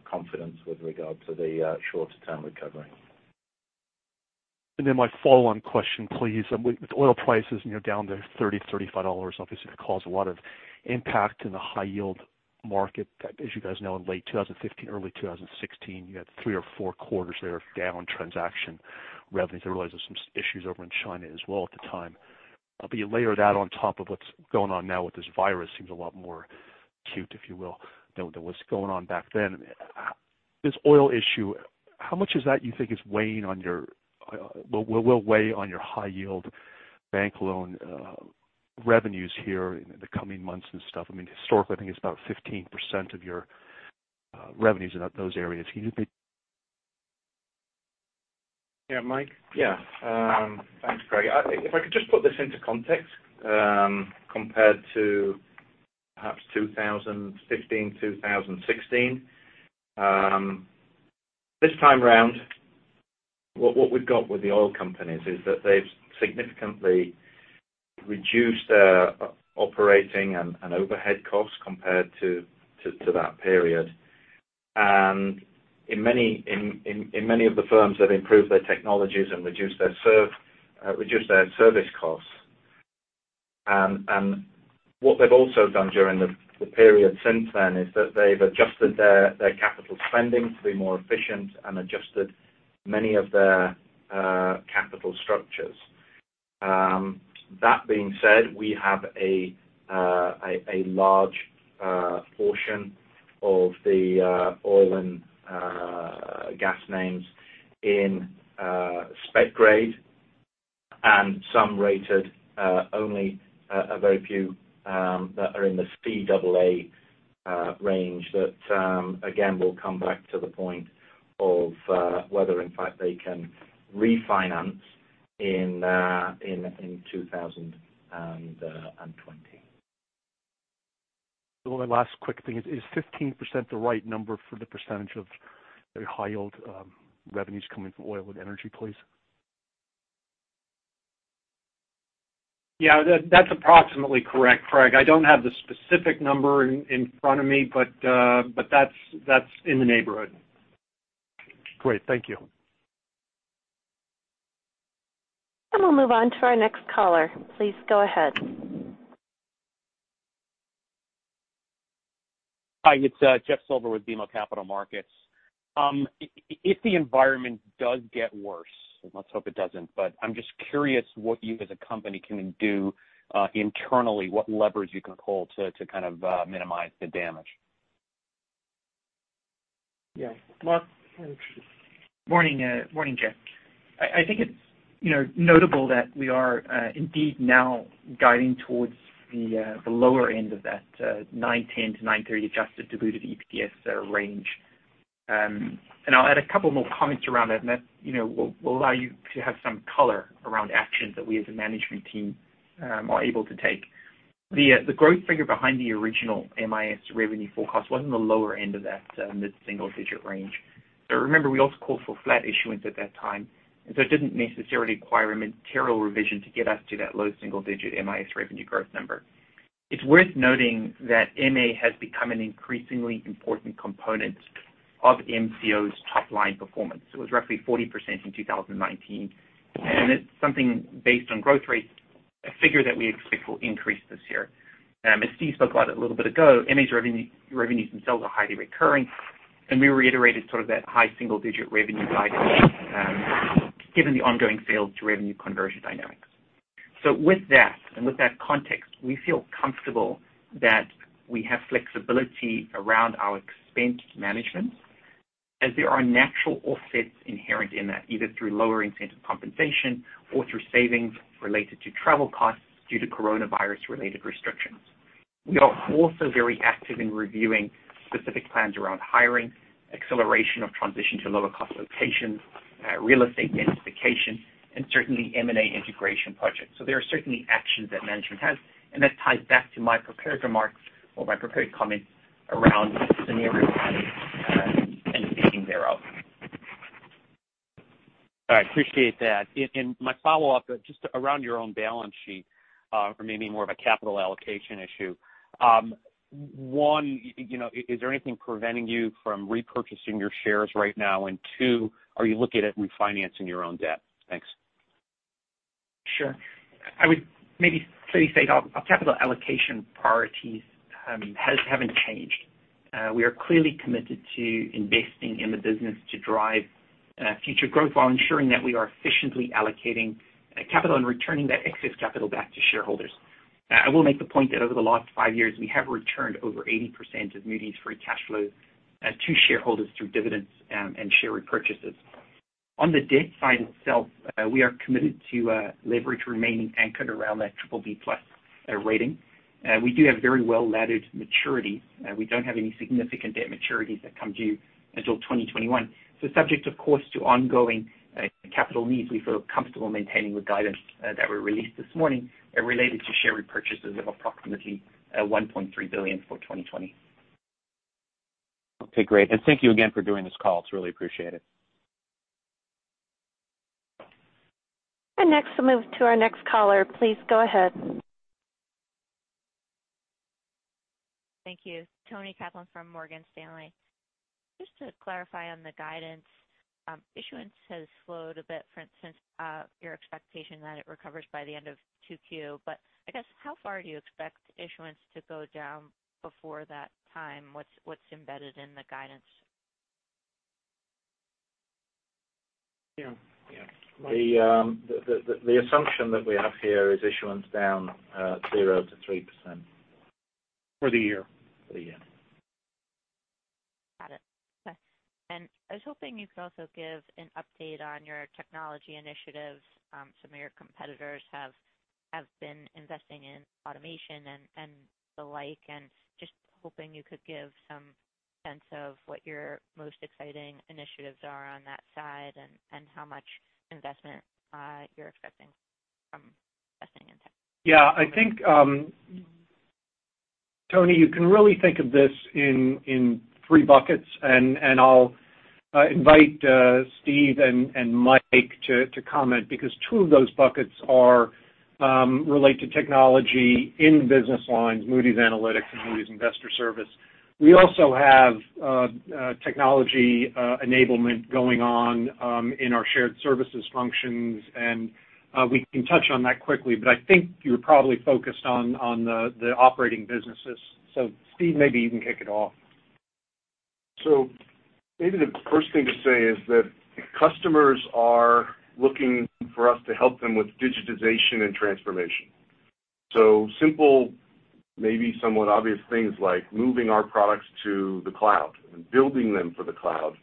confidence with regard to the shorter-term recovery. My follow-on question, please. With oil prices down to $30, $35, obviously it could cause a lot of impact in the high yield market. As you guys know, in late 2015, early 2016, you had three or four quarters there of down transaction revenues. I realize there were some issues over in China as well at the time. You layer that on top of what's going on now with this virus seems a lot more acute, if you will, than what was going on back then. This oil issue, how much of that you think will weigh on your high yield bank loan revenues here in the coming months and stuff? Historically, I think it's about 15% of your revenues in those areas. Can you maybe Yeah, Mike? Yeah. Thanks, Craig. If I could just put this into context, compared to perhaps 2015, 2016. This time around, what we've got with the oil companies is that they've significantly reduced their operating and overhead costs compared to that period. In many of the firms, they've improved their technologies and reduced their service costs. What they've also done during the period since then is that they've adjusted their capital spending to be more efficient and adjusted many of their capital structures. That being said, we have a large portion of the oil and gas names in spec grade and some rated, only a very few that are in the Baa range. That again, will come back to the point of whether in fact they can refinance in 2020. The last quick thing is 15% the right number for the percentage of the high yield revenues coming from oil and energy, please? Yeah, that's approximately correct, Craig. I don't have the specific number in front of me, but that's in the neighborhood. Great. Thank you. We'll move on to our next caller. Please go ahead. Hi, it's Jeffrey Silber with BMO Capital Markets. If the environment does get worse, and let's hope it doesn't, but I'm just curious what you as a company can do internally, what levers you can pull to minimize the damage. Yeah. Mark, why don't you Morning, Jeff. I think it's notable that we are indeed now guiding towards the lower end of that $9.10-$9.30 adjusted diluted EPS range. I'll add a couple more comments around that, and that will allow you to have some color around actions that we as a management team are able to take. The growth figure behind the original MIS revenue forecast was on the lower end of that mid-single digit range. Remember, we also called for flat issuance at that time, it didn't necessarily require a material revision to get us to that low single-digit MIS revenue growth number. It's worth noting that MA has become an increasingly important component of MCO's top line performance. It was roughly 40% in 2019, it's something based on growth rates, a figure that we expect will increase this year. Steve spoke about it a little bit ago, MA's revenues themselves are highly recurring, we reiterated sort of that high single digit revenue guidance given the ongoing sales to revenue conversion dynamics. With that and with that context, we feel comfortable that we have flexibility around our expense management as there are natural offsets inherent in that, either through lower incentive compensation or through savings related to travel costs due to coronavirus-related restrictions. We are also very active in reviewing specific plans around hiring, acceleration of transition to lower cost locations, real estate densification, and certainly M&A integration projects. There are certainly actions that management has, that ties back to my prepared remarks or my prepared comments around scenario planning and thinking thereof. All right. Appreciate that. My follow-up, just around your own balance sheet, or maybe more of a capital allocation issue. One, is there anything preventing you from repurchasing your shares right now? Two, are you looking at refinancing your own debt? Thanks. Sure. I would maybe fairly say our capital allocation priorities haven't changed. We are clearly committed to investing in the business to drive future growth while ensuring that we are efficiently allocating capital and returning that excess capital back to shareholders. I will make the point that over the last five years, we have returned over 80% of Moody's free cash flow to shareholders through dividends and share repurchases. On the debt side itself, we are committed to leverage remaining anchored around that BBB+ rating. We do have very well-laddered maturity. We don't have any significant debt maturities that come due until 2021. Subject, of course, to ongoing capital needs, we feel comfortable maintaining the guidance that we released this morning related to share repurchases of approximately $1.3 billion for 2020. Okay, great. Thank you again for doing this call. It's really appreciated. Next, we'll move to our next caller. Please go ahead. Thank you. Toni Kaplan from Morgan Stanley. Just to clarify on the guidance, issuance has slowed a bit since your expectation that it recovers by the end of 2Q, I guess, how far do you expect issuance to go down before that time? What's embedded in the guidance? Yeah. Mike? The assumption that we have here is issuance down 0%-3%. For the year. For the year. Got it. Okay. I was hoping you could also give an update on your technology initiatives. Some of your competitors have been investing in automation and the like, and just hoping you could give some sense of what your most exciting initiatives are on that side and how much investment you're expecting from investing in tech. Yeah, I think, Toni, you can really think of this in three buckets, and I'll invite Steve and Mike to comment because two of those buckets relate to technology in business lines, Moody's Analytics and Moody's Investors Service. We also have technology enablement going on in our shared services functions, and we can touch on that quickly. I think you're probably focused on the operating businesses. Steve, maybe you can kick it off. Maybe the first thing to say is that customers are looking for us to help them with digitization and transformation. Simple, maybe somewhat obvious things like moving our products to the cloud and building them for the cloud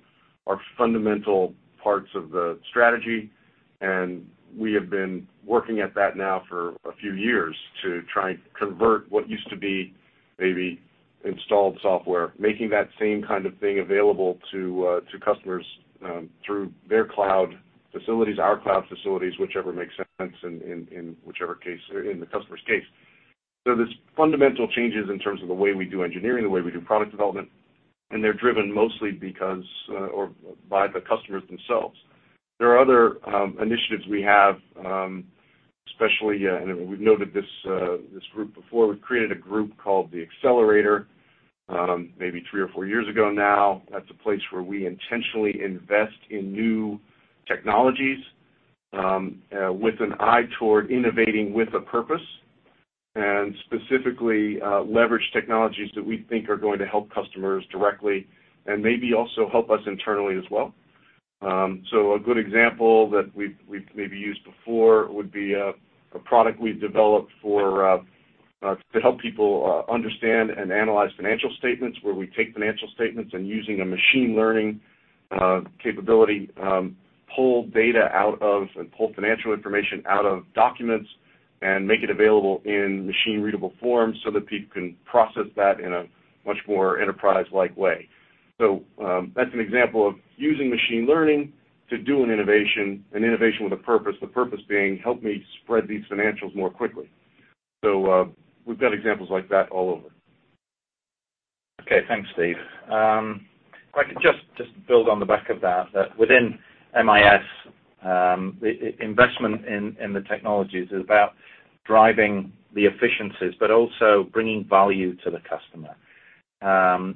are fundamental parts of the strategy, and we have been working at that now for a few years to try and convert what used to be maybe installed software, making that same kind of thing available to customers through their cloud facilities, our cloud facilities, whichever makes sense in the customer's case. There's fundamental changes in terms of the way we do engineering, the way we do product development, and they're driven mostly by the customers themselves. There are other initiatives we have, especially, and we've noted this group before. We created a group called the Accelerator maybe three or four years ago now. That's a place where we intentionally invest in new technologies with an eye toward innovating with a purpose, specifically leverage technologies that we think are going to help customers directly and maybe also help us internally as well. A good example that we've maybe used before would be a product we developed to help people understand and analyze financial statements where we take financial statements and using a machine learning capability pull data out of and pull financial information out of documents and make it available in machine-readable form so that people can process that in a much more enterprise-like way. That's an example of using machine learning to do an innovation with a purpose, the purpose being help me spread these financials more quickly. We've got examples like that all over. Okay. Thanks, Steve. If I could just build on the back of that, within MIS, investment in the technologies is about driving the efficiencies, but also bringing value to the customer.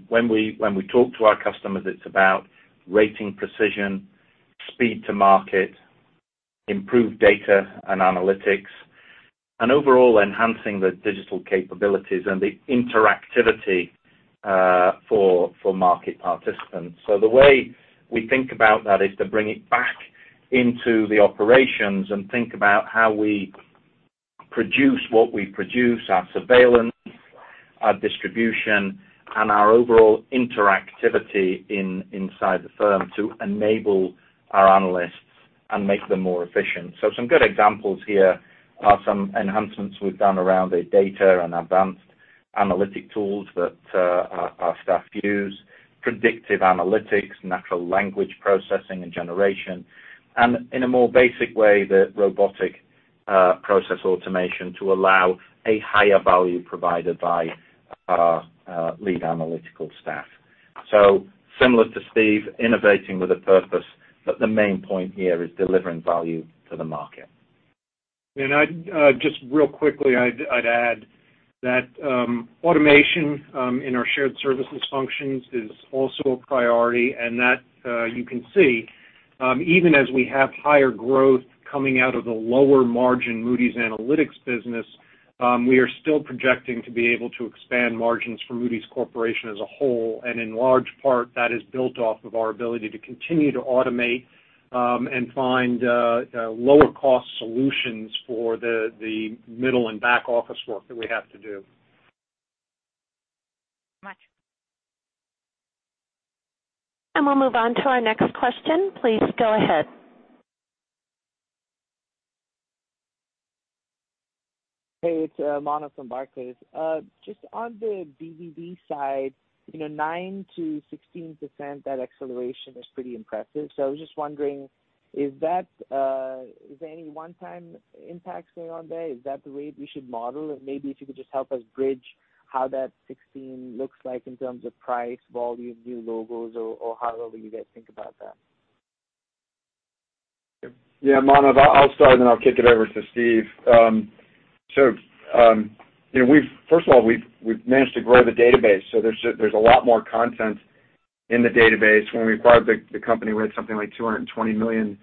When we talk to our customers, it's about rating precision, speed to market, improved data and analytics, and overall enhancing the digital capabilities and the interactivity for market participants. The way we think about that is to bring it back into the operations and think about how we produce what we produce, our surveillance, our distribution, and our overall interactivity inside the firm to enable our analysts and make them more efficient. Some good examples here are some enhancements we've done around the data and advanced analytic tools that our staff use, predictive analytics, natural language processing and generation, and in a more basic way, the robotic process automation to allow a higher value provided by our lead analytical staff. Similar to Steve, innovating with a purpose, but the main point here is delivering value to the market. Just real quickly, I'd add that automation in our shared services functions is also a priority, that you can see even as we have higher growth coming out of the lower margin Moody's Analytics business, we are still projecting to be able to expand margins for Moody's Corporation as a whole. In large part, that is built off of our ability to continue to automate and find lower cost solutions for the middle and back office work that we have to do. We'll move on to our next question. Please go ahead. Hey, it's Manav from Barclays. Just on the BvD side, 9%-16%, that acceleration is pretty impressive. I was just wondering, is there any one-time impacts going on there? Is that the way we should model it? Maybe if you could just help us bridge how that 16 looks like in terms of price, volume, new logos, or however you guys think about that. Yeah, Manav, I'll start and then I'll kick it over to Steve. First of all, we've managed to grow the database, so there's a lot more content in the database. When we acquired the company, we had something like $220 million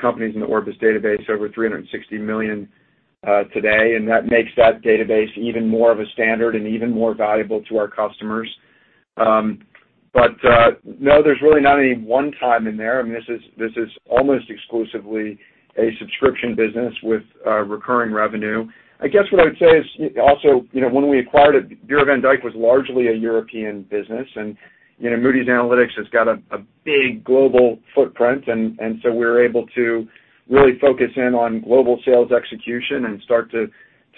companies in the Orbis database, over $360 million today, and that makes that database even more of a standard and even more valuable to our customers. No, there's really not any one time in there. I mean, this is almost exclusively a subscription business with recurring revenue. I guess what I would say is also when we acquired it, Bureau van Dijk was largely a European business. Moody's Analytics has got a big global footprint, we're able to really focus in on global sales execution and start to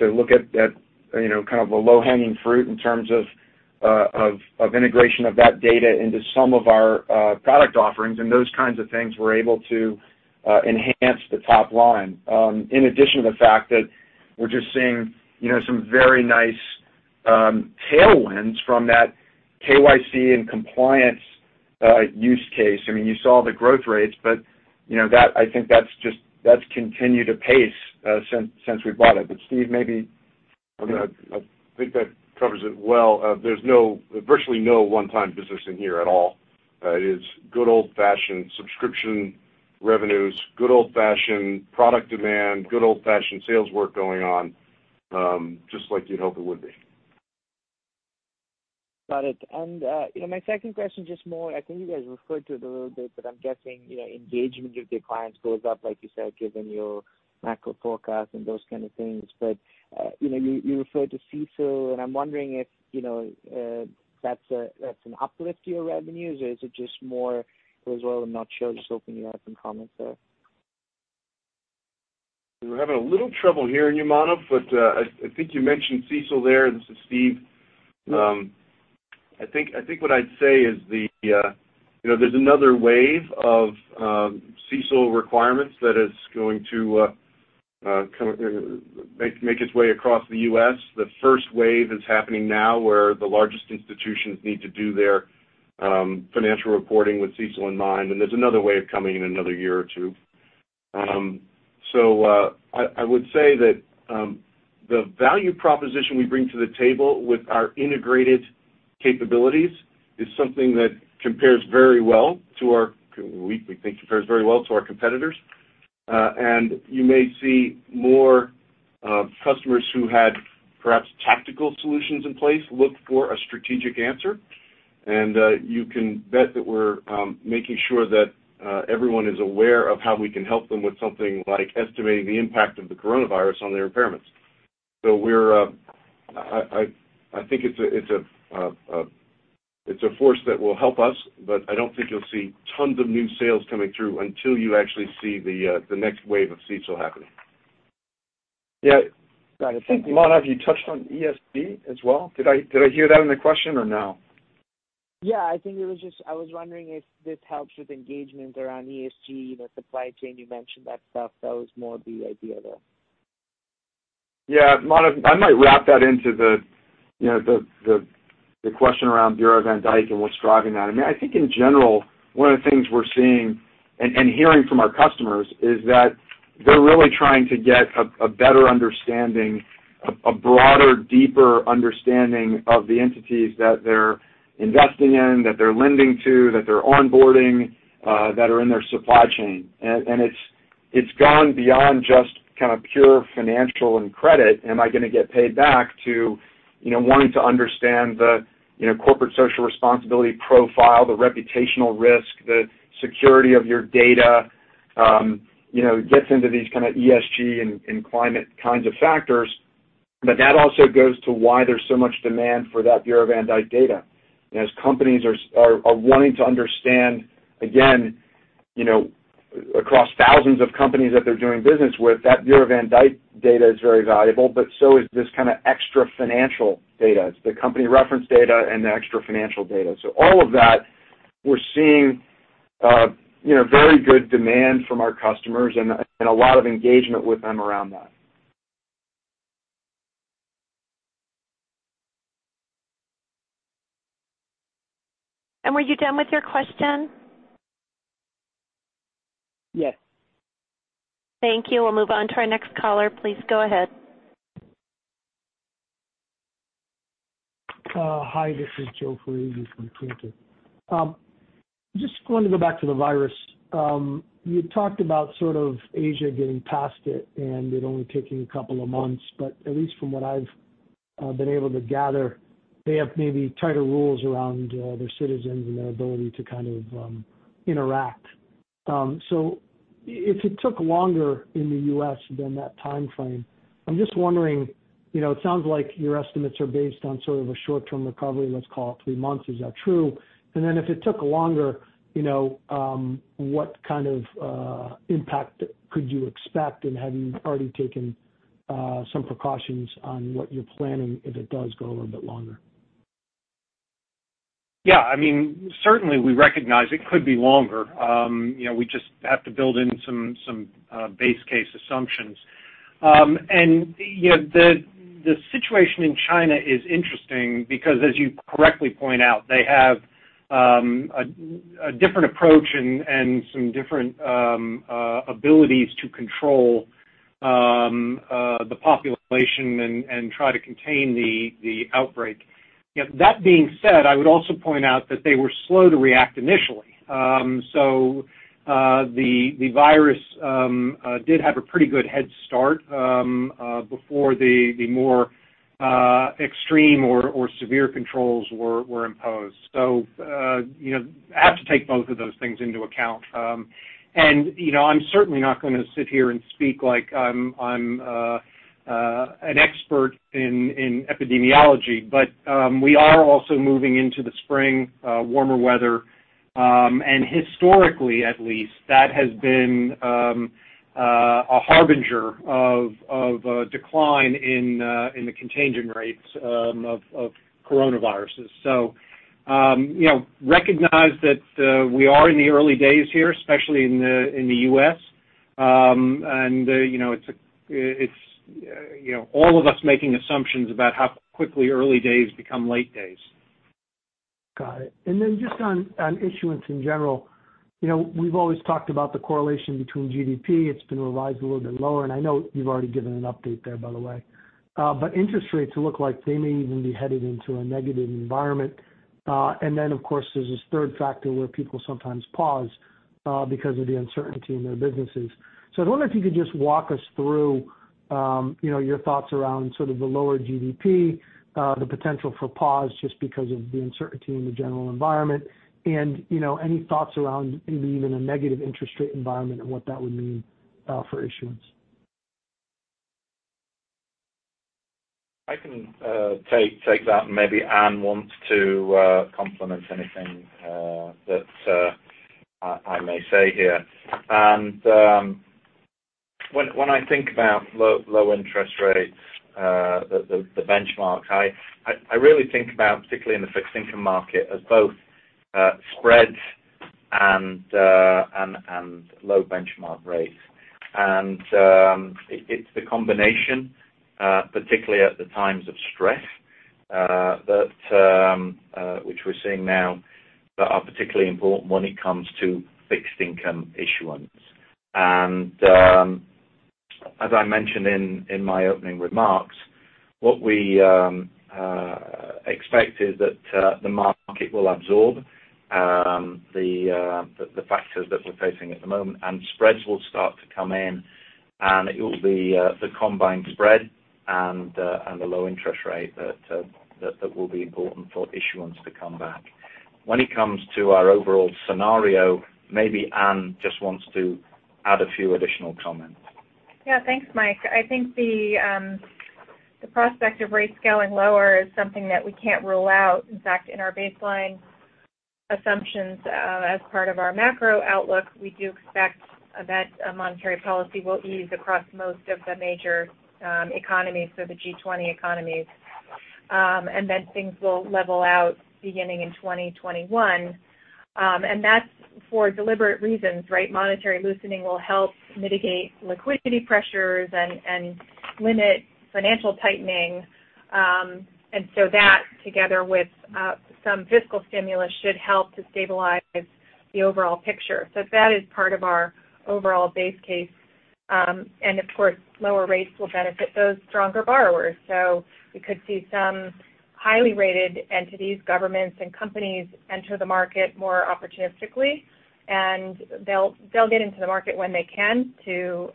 look at kind of the low-hanging fruit in terms of integration of that data into some of our product offerings and those kinds of things. We're able to enhance the top line. In addition to the fact that we're just seeing some very nice tailwinds from that KYC and compliance use case. I mean, you saw the growth rates, but I think that's continued to pace since we bought it. Steve. I think that covers it well. There's virtually no one-time business in here at all. It is good old-fashioned subscription revenues, good old-fashioned product demand, good old-fashioned sales work going on, just like you'd hope it would be. Got it. My second question, just more, I think you guys referred to it a little bit, but I'm guessing engagement with your clients goes up, like you said, given your macro forecast and those kind of things. You referred to CECL, and I'm wondering if that's an uplift to your revenues, or is it just more as well? I'm not sure. Just hoping you have some comments there. We're having a little trouble hearing you, Manav, but I think you mentioned CECL there. This is Steve. I think what I'd say is there's another wave of CECL requirements that is going to make its way across the U.S. The first wave is happening now, where the largest institutions need to do their financial reporting with CECL in mind, and there's another wave coming in another year or two. I would say that the value proposition we bring to the table with our integrated capabilities is something that we think compares very well to our competitors. You may see more customers who had perhaps tactical solutions in place look for a strategic answer. You can bet that we're making sure that everyone is aware of how we can help them with something like estimating the impact of the coronavirus on their impairments. I think it's a force that will help us, but I don't think you'll see tons of new sales coming through until you actually see the next wave of CECL happening. Yeah. I think, Manav, you touched on ESG as well. Did I hear that in the question or no? Yeah, I was wondering if this helps with engagement around ESG, the supply chain, you mentioned that stuff. That was more the idea there. Yeah. Manav, I might wrap that into the question around Bureau van Dijk and what's driving that. I think in general, one of the things we're seeing and hearing from our customers is that they're really trying to get a better understanding, a broader, deeper understanding of the entities that they're investing in, that they're lending to, that they're onboarding, that are in their supply chain. It's gone beyond just kind of pure financial and credit. Am I going to get paid back to wanting to understand the corporate social responsibility profile, the reputational risk, the security of your data? It gets into these kind of ESG and climate kinds of factors. That also goes to why there's so much demand for that Bureau van Dijk data. As companies are wanting to understand again, across thousands of companies that they're doing business with, that Bureau van Dijk data is very valuable, but so is this kind of extra financial data. It's the company reference data and the extra financial data. All of that we're seeing very good demand from our customers and a lot of engagement with them around that. Were you done with your question? Yes. Thank you. We'll move on to our next caller. Please go ahead. Hi, this is Joe from Cantor. Just wanted to go back to the virus. You talked about sort of Asia getting past it, and it only taking a couple of months, but at least from what I've been able to gather, they have maybe tighter rules around their citizens and their ability to kind of interact. If it took longer in the U.S. than that timeframe, I'm just wondering, it sounds like your estimates are based on sort of a short-term recovery, let's call it three months. Is that true? If it took longer, what kind of impact could you expect? Have you already taken some precautions on what you're planning if it does go a little bit longer? Yeah. Certainly, we recognize it could be longer. We just have to build in some base case assumptions. The situation in China is interesting because, as you correctly point out, they have a different approach and some different abilities to control the population and try to contain the outbreak. That being said, I would also point out that they were slow to react initially. The virus did have a pretty good head start before the more extreme or severe controls were imposed. I have to take both of those things into account. I'm certainly not going to sit here and speak like I'm an expert in epidemiology, but we are also moving into the spring, warmer weather. Historically, at least, that has been a harbinger of a decline in the contagion rates of coronaviruses. Recognize that we are in the early days here, especially in the U.S. It's all of us making assumptions about how quickly early days become late days. Got it. Just on issuance in general, we've always talked about the correlation between GDP. It's been revised a little bit lower, and I know you've already given an update there, by the way. Interest rates look like they may even be headed into a negative environment. Of course, there's this third factor where people sometimes pause because of the uncertainty in their businesses. I wonder if you could just walk us through your thoughts around sort of the lower GDP, the potential for pause just because of the uncertainty in the general environment, and any thoughts around maybe even a negative interest rate environment and what that would mean for issuance. I can take that, maybe Anne wants to complement anything that I may say here. When I think about low interest rates, the benchmark, I really think about, particularly in the fixed income market, as both spreads and low benchmark rates. It's the combination, particularly at the times of stress, which we're seeing now, that are particularly important when it comes to fixed income issuance. As I mentioned in my opening remarks, what we expect is that the market will absorb the factors that we're facing at the moment, and spreads will start to come in, and it will be the combined spread and the low interest rate that will be important for issuance to come back. When it comes to our overall scenario, maybe Anne just wants to add a few additional comments. Yeah. Thanks, Mike. I think the prospect of rates going lower is something that we can't rule out. In fact, in our baseline assumptions as part of our macro outlook, we do expect that monetary policy will ease across most of the major economies, so the G20 economies. Things will level out beginning in 2021. That's for deliberate reasons, right? Monetary loosening will help mitigate liquidity pressures and limit financial tightening. That, together with some fiscal stimulus, should help to stabilize the overall picture. That is part of our overall base case. Of course, lower rates will benefit those stronger borrowers. We could see some highly rated entities, governments, and companies enter the market more opportunistically, and they'll get into the market when they can to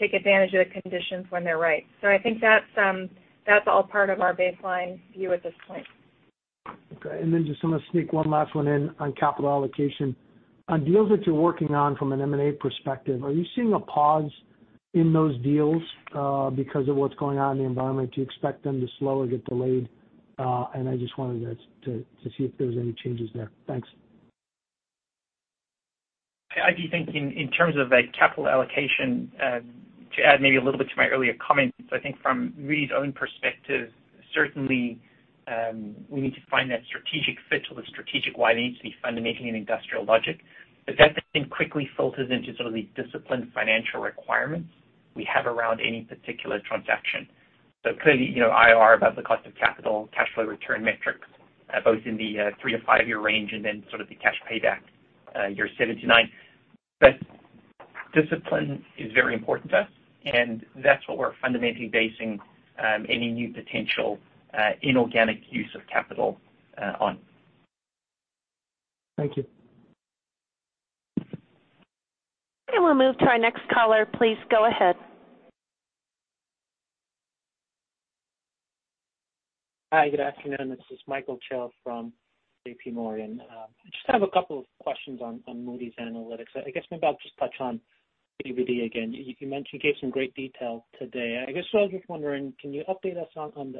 take advantage of the conditions when they're right. I think that's all part of our baseline view at this point. Okay. Just want to sneak one last one in on capital allocation. On deals that you're working on from an M&A perspective, are you seeing a pause in those deals because of what's going on in the environment? Do you expect them to slow or get delayed? I just wanted to see if there's any changes there. Thanks. I'd be thinking in terms of a capital allocation. To add maybe a little bit to my earlier comments, I think from Moody's own perspective, certainly we need to find that strategic fit or the strategic why there needs to be fundamental and industrial logic. That then quickly filters into sort of the disciplined financial requirements we have around any particular transaction. Clearly, IRR above the cost of capital, cash flow return metrics, both in the three to five year range, and then sort of the cash payback year seven to nine. Discipline is very important to us, and that's what we're fundamentally basing any new potential inorganic use of capital on. Thank you. Okay, we'll move to our next caller. Please go ahead. Hi, good afternoon. This is Michael Cho from JPMorgan. I just have a couple of questions on Moody's Analytics. I guess maybe I'll just touch on BvD again. You gave some great detail today. I guess I was just wondering, can you update us on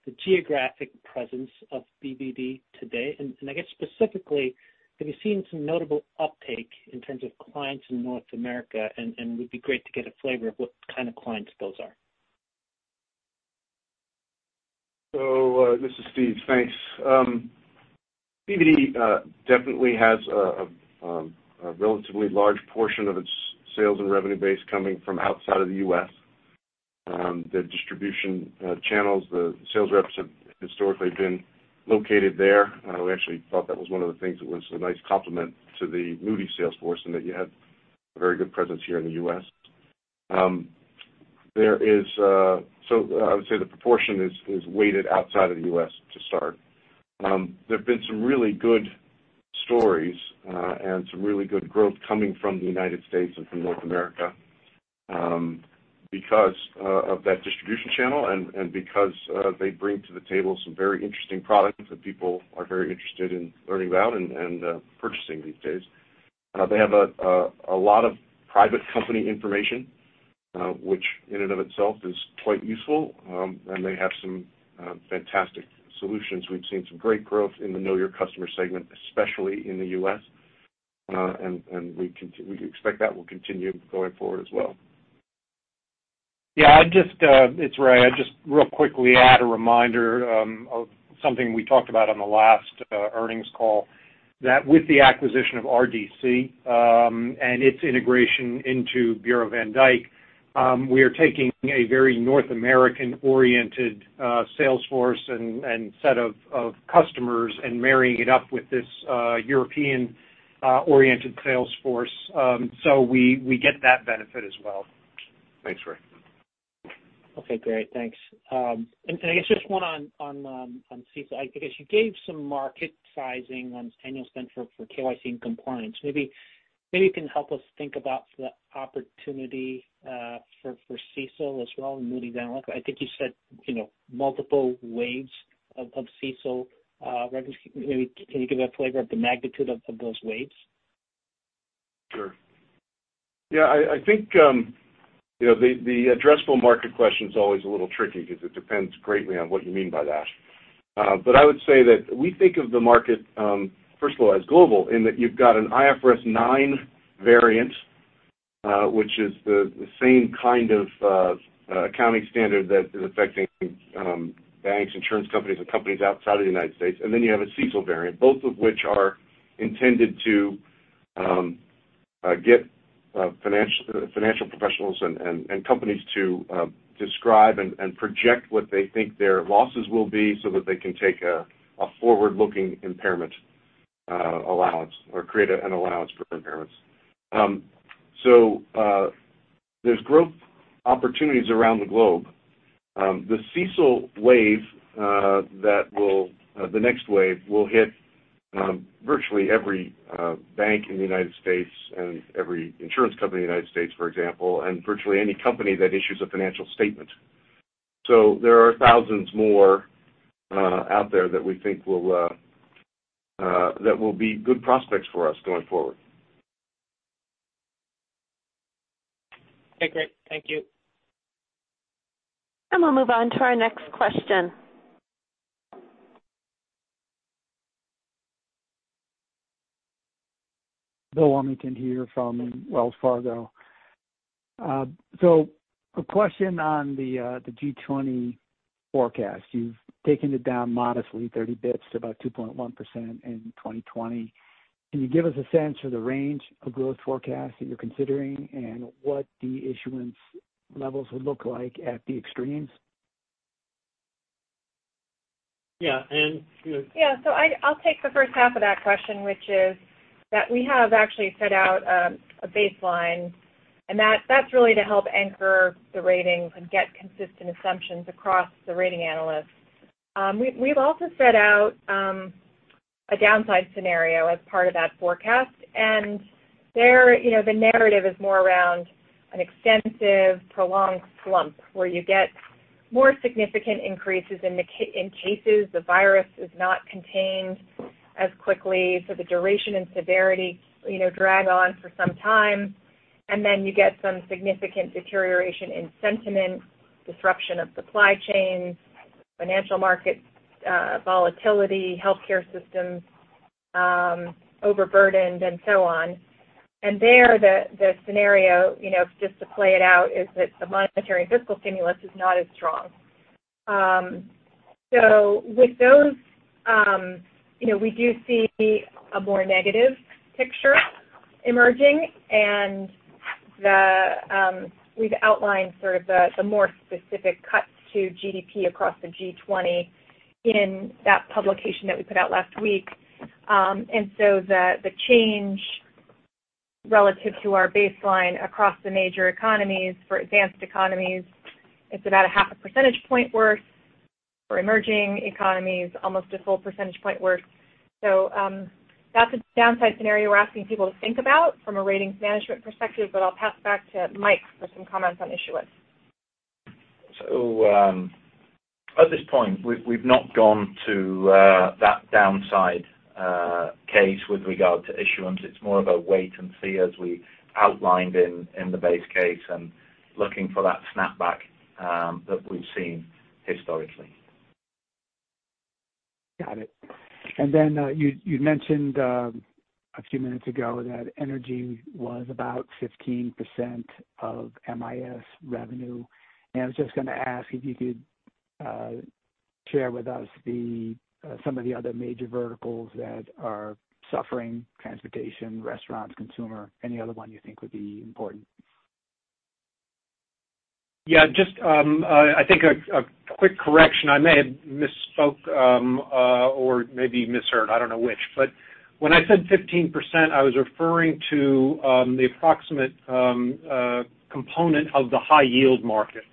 the geographic presence of BvD today? I guess specifically, have you seen some notable uptake in terms of clients in North America? It would be great to get a flavor of what kind of clients those are. This is Steve. Thanks. BvD definitely has a relatively large portion of its sales and revenue base coming from outside of the U.S. The distribution channels, the sales reps have historically been located there. We actually thought that was one of the things that was a nice complement to the Moody's sales force, and that you had a very good presence here in the U.S. I would say the proportion is weighted outside of the U.S. to start. There have been some really good stories and some really good growth coming from the United States and from North America because of that distribution channel and because they bring to the table some very interesting products that people are very interested in learning about and purchasing these days. They have a lot of private company information, which in and of itself is quite useful. They have some fantastic solutions. We've seen some great growth in the know your customer segment, especially in the U.S. We expect that will continue going forward as well. Yeah, it's Ray. I'd just real quickly add a reminder of something we talked about on the last earnings call, that with the acquisition of RDC, and its integration into Bureau van Dijk, we are taking a very North American-oriented sales force and set of customers and marrying it up with this European-oriented sales force. We get that benefit as well. Thanks, Ray. Okay, great. Thanks. I guess just one on CECL. You gave some market sizing on annual spend for KYC and compliance. Maybe you can help us think about the opportunity for CECL as well in Moody's Analytics. I think you said multiple waves of CECL revenue. Can you give a flavor of the magnitude of those waves? Sure. Yeah, I think the addressable market question's always a little tricky because it depends greatly on what you mean by that. I would say that we think of the market, first of all, as global in that you've got an IFRS 9 variant, which is the same kind of accounting standard that is affecting banks, insurance companies, and companies outside of the United States. You have a CECL variant, both of which are intended to get financial professionals and companies to describe and project what they think their losses will be so that they can take a forward-looking impairment allowance or create an allowance for impairments. There's growth opportunities around the globe. The CECL wave, the next wave will hit virtually every bank in the United States and every insurance company in the United States, for example, and virtually any company that issues a financial statement. There are thousands more out there that we think that will be good prospects for us going forward. Okay, great. Thank you. We'll move on to our next question. William Warmington here from Wells Fargo. A question on the G20 forecast. You've taken it down modestly 30 basis points to about 2.1% in 2020. Can you give us a sense of the range of growth forecasts that you're considering and what the issuance levels would look like at the extremes? Yeah, Anne. Yeah. I'll take the first half of that question, which is that we have actually set out a baseline. That's really to help anchor the ratings and get consistent assumptions across the rating analysts. We've also set out a downside scenario as part of that forecast. There, the narrative is more around an extensive, prolonged slump where you get more significant increases in cases the virus is not contained as quickly, so the duration and severity drag on for some time. Then you get some significant deterioration in sentiment, disruption of supply chains, financial market volatility, healthcare systems overburdened, and so on. There, the scenario, just to play it out, is that the monetary and fiscal stimulus is not as strong. With those, we do see a more negative picture emerging, and we've outlined sort of the more specific cuts to GDP across the G20 in that publication that we put out last week. The change relative to our baseline across the major economies for advanced economies, it's about a half a percentage point worth. For emerging economies, almost a full percentage point worth. That's a downside scenario we're asking people to think about from a ratings management perspective. I'll pass back to Mike for some comments on issuance. At this point, we've not gone to that downside case with regard to issuance. It's more of a wait and see as we outlined in the base case and looking for that snapback that we've seen historically. Got it. You mentioned a few minutes ago that energy was about 15% of MIS revenue. I was just going to ask if you could share with us some of the other major verticals that are suffering, transportation, restaurants, consumer, any other one you think would be important. Yeah, just I think a quick correction. I may have misspoke or maybe misheard, I don't know which, but when I said 15%, I was referring to the approximate component of the high yield market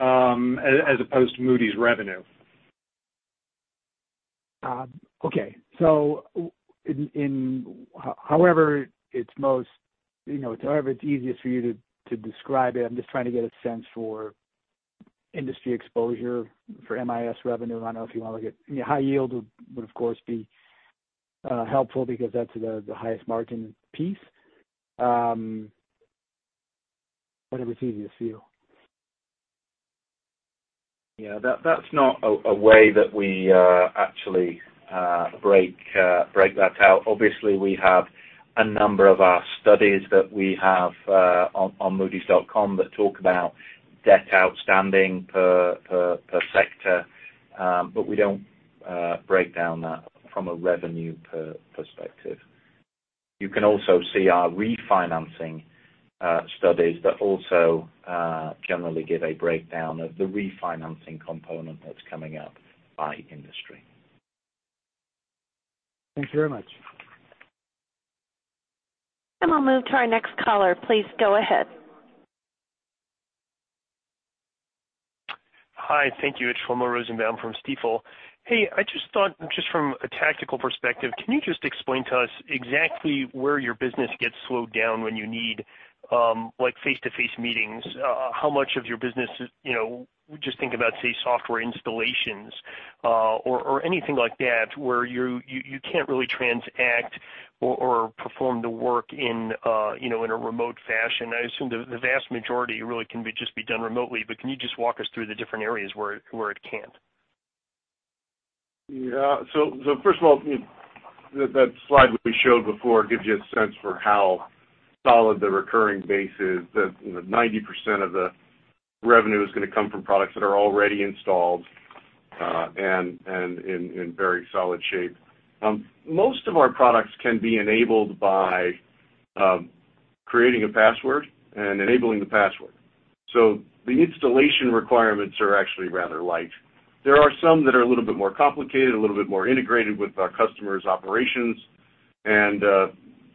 as opposed to Moody's revenue. Okay. However it's easiest for you to describe it. I'm just trying to get a sense for industry exposure for MIS revenue. I know if you want to look at high yield would of course be helpful because that's the highest margin piece. Whatever is easiest for you. Yeah. That's not a way that we actually break that out. Obviously, we have a number of our studies that we have on moodys.com that talk about debt outstanding per sector. We don't break down that from a revenue perspective. You can also see our refinancing studies that also generally give a breakdown of the refinancing component that's coming up by industry. Thank you very much. We'll move to our next caller. Please go ahead. Hi. Thank you. It's Shlomo Rosenbaum from Stifel. Hey, I just thought, just from a tactical perspective, can you just explain to us exactly where your business gets slowed down when you need face-to-face meetings? How much of your business, just think about, say, software installations or anything like that where you can't really transact or perform the work in a remote fashion. I assume the vast majority really can just be done remotely, but can you just walk us through the different areas where it can't? First of all, that slide we showed before gives you a sense for how solid the recurring base is, that 90% of the revenue is going to come from products that are already installed and in very solid shape. Most of our products can be enabled by creating a password and enabling the password. The installation requirements are actually rather light. There are some that are a little bit more complicated, a little bit more integrated with our customers' operations, and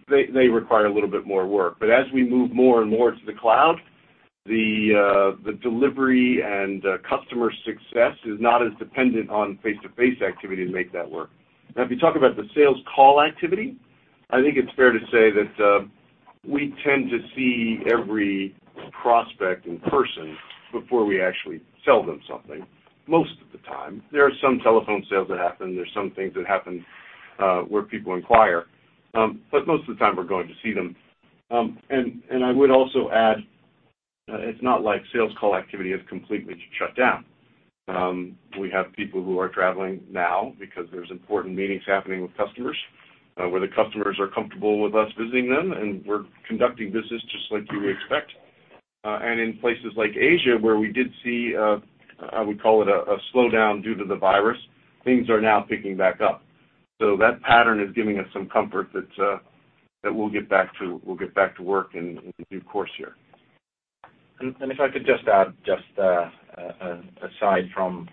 they require a little bit more work. As we move more and more to the cloud, the delivery and customer success is not as dependent on face-to-face activity to make that work. If you talk about the sales call activity, I think it's fair to say that we tend to see every prospect in person before we actually sell them something most of the time. There are some telephone sales that happen. There's some things that happen where people inquire but most of the time we're going to see them. I would also add, it's not like sales call activity is completely shut down. We have people who are traveling now because there's important meetings happening with customers where the customers are comfortable with us visiting them, and we're conducting business just like you would expect. In places like Asia, where we did see, I would call it a slowdown due to the virus, things are now picking back up. That pattern is giving us some comfort that we'll get back to work in due course here. If I could just add just an aside from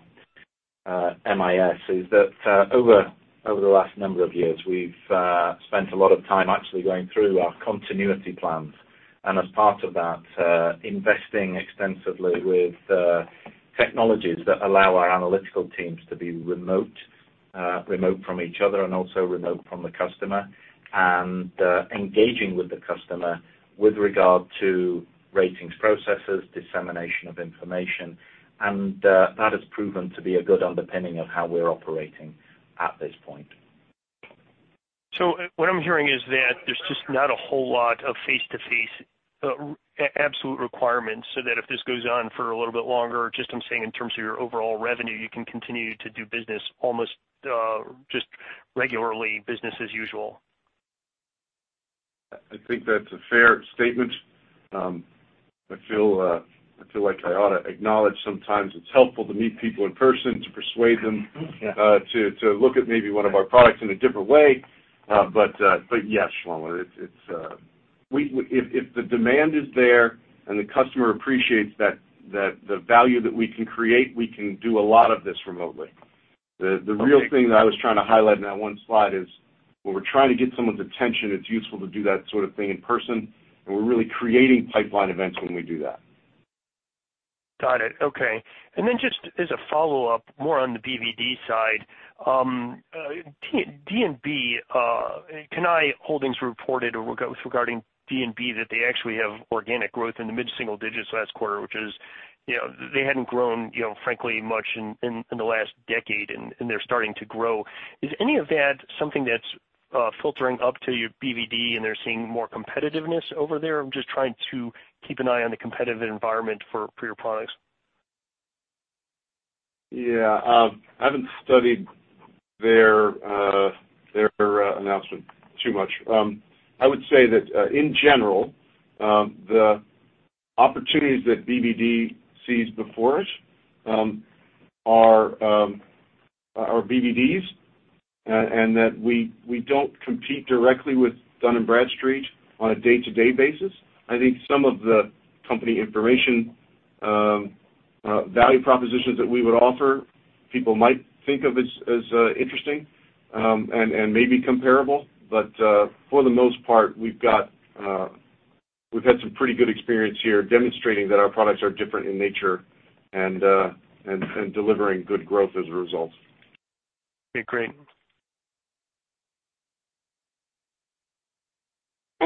MIS is that over the last number of years, we've spent a lot of time actually going through our continuity plans, and as part of that investing extensively with technologies that allow our analytical teams to be remote from each other and also remote from the customer, and engaging with the customer with regard to ratings processes, dissemination of information. That has proven to be a good underpinning of how we're operating at this point. What I'm hearing is that there's just not a whole lot of face-to-face absolute requirements so that if this goes on for a little bit longer, just I'm saying in terms of your overall revenue, you can continue to do business almost just regularly business as usual. I think that's a fair statement. I feel like I ought to acknowledge sometimes it's helpful to meet people in person to persuade them to look at maybe one of our products in a different way. Yes, Shlomo, if the demand is there and the customer appreciates the value that we can create, we can do a lot of this remotely. The real thing that I was trying to highlight in that one slide is when we're trying to get someone's attention, it's useful to do that sort of thing in person, and we're really creating pipeline events when we do that. Got it. Okay. Just as a follow-up, more on the BvD side. D&B, Cannae Holdings reported regarding D&B that they actually have organic growth in the mid-single digits last quarter, which is, they hadn't grown frankly much in the last decade, and they're starting to grow. Is any of that something that's filtering up to your BvD and they're seeing more competitiveness over there? I'm just trying to keep an eye on the competitive environment for your products. Yeah. I haven't studied their announcement too much. I would say that, in general, the opportunities that BvD sees before us are BvD's, and that we don't compete directly with Dun & Bradstreet on a day-to-day basis. I think some of the company information value propositions that we would offer, people might think of as interesting, and maybe comparable. For the most part, we've had some pretty good experience here demonstrating that our products are different in nature and delivering good growth as a result. Okay, great.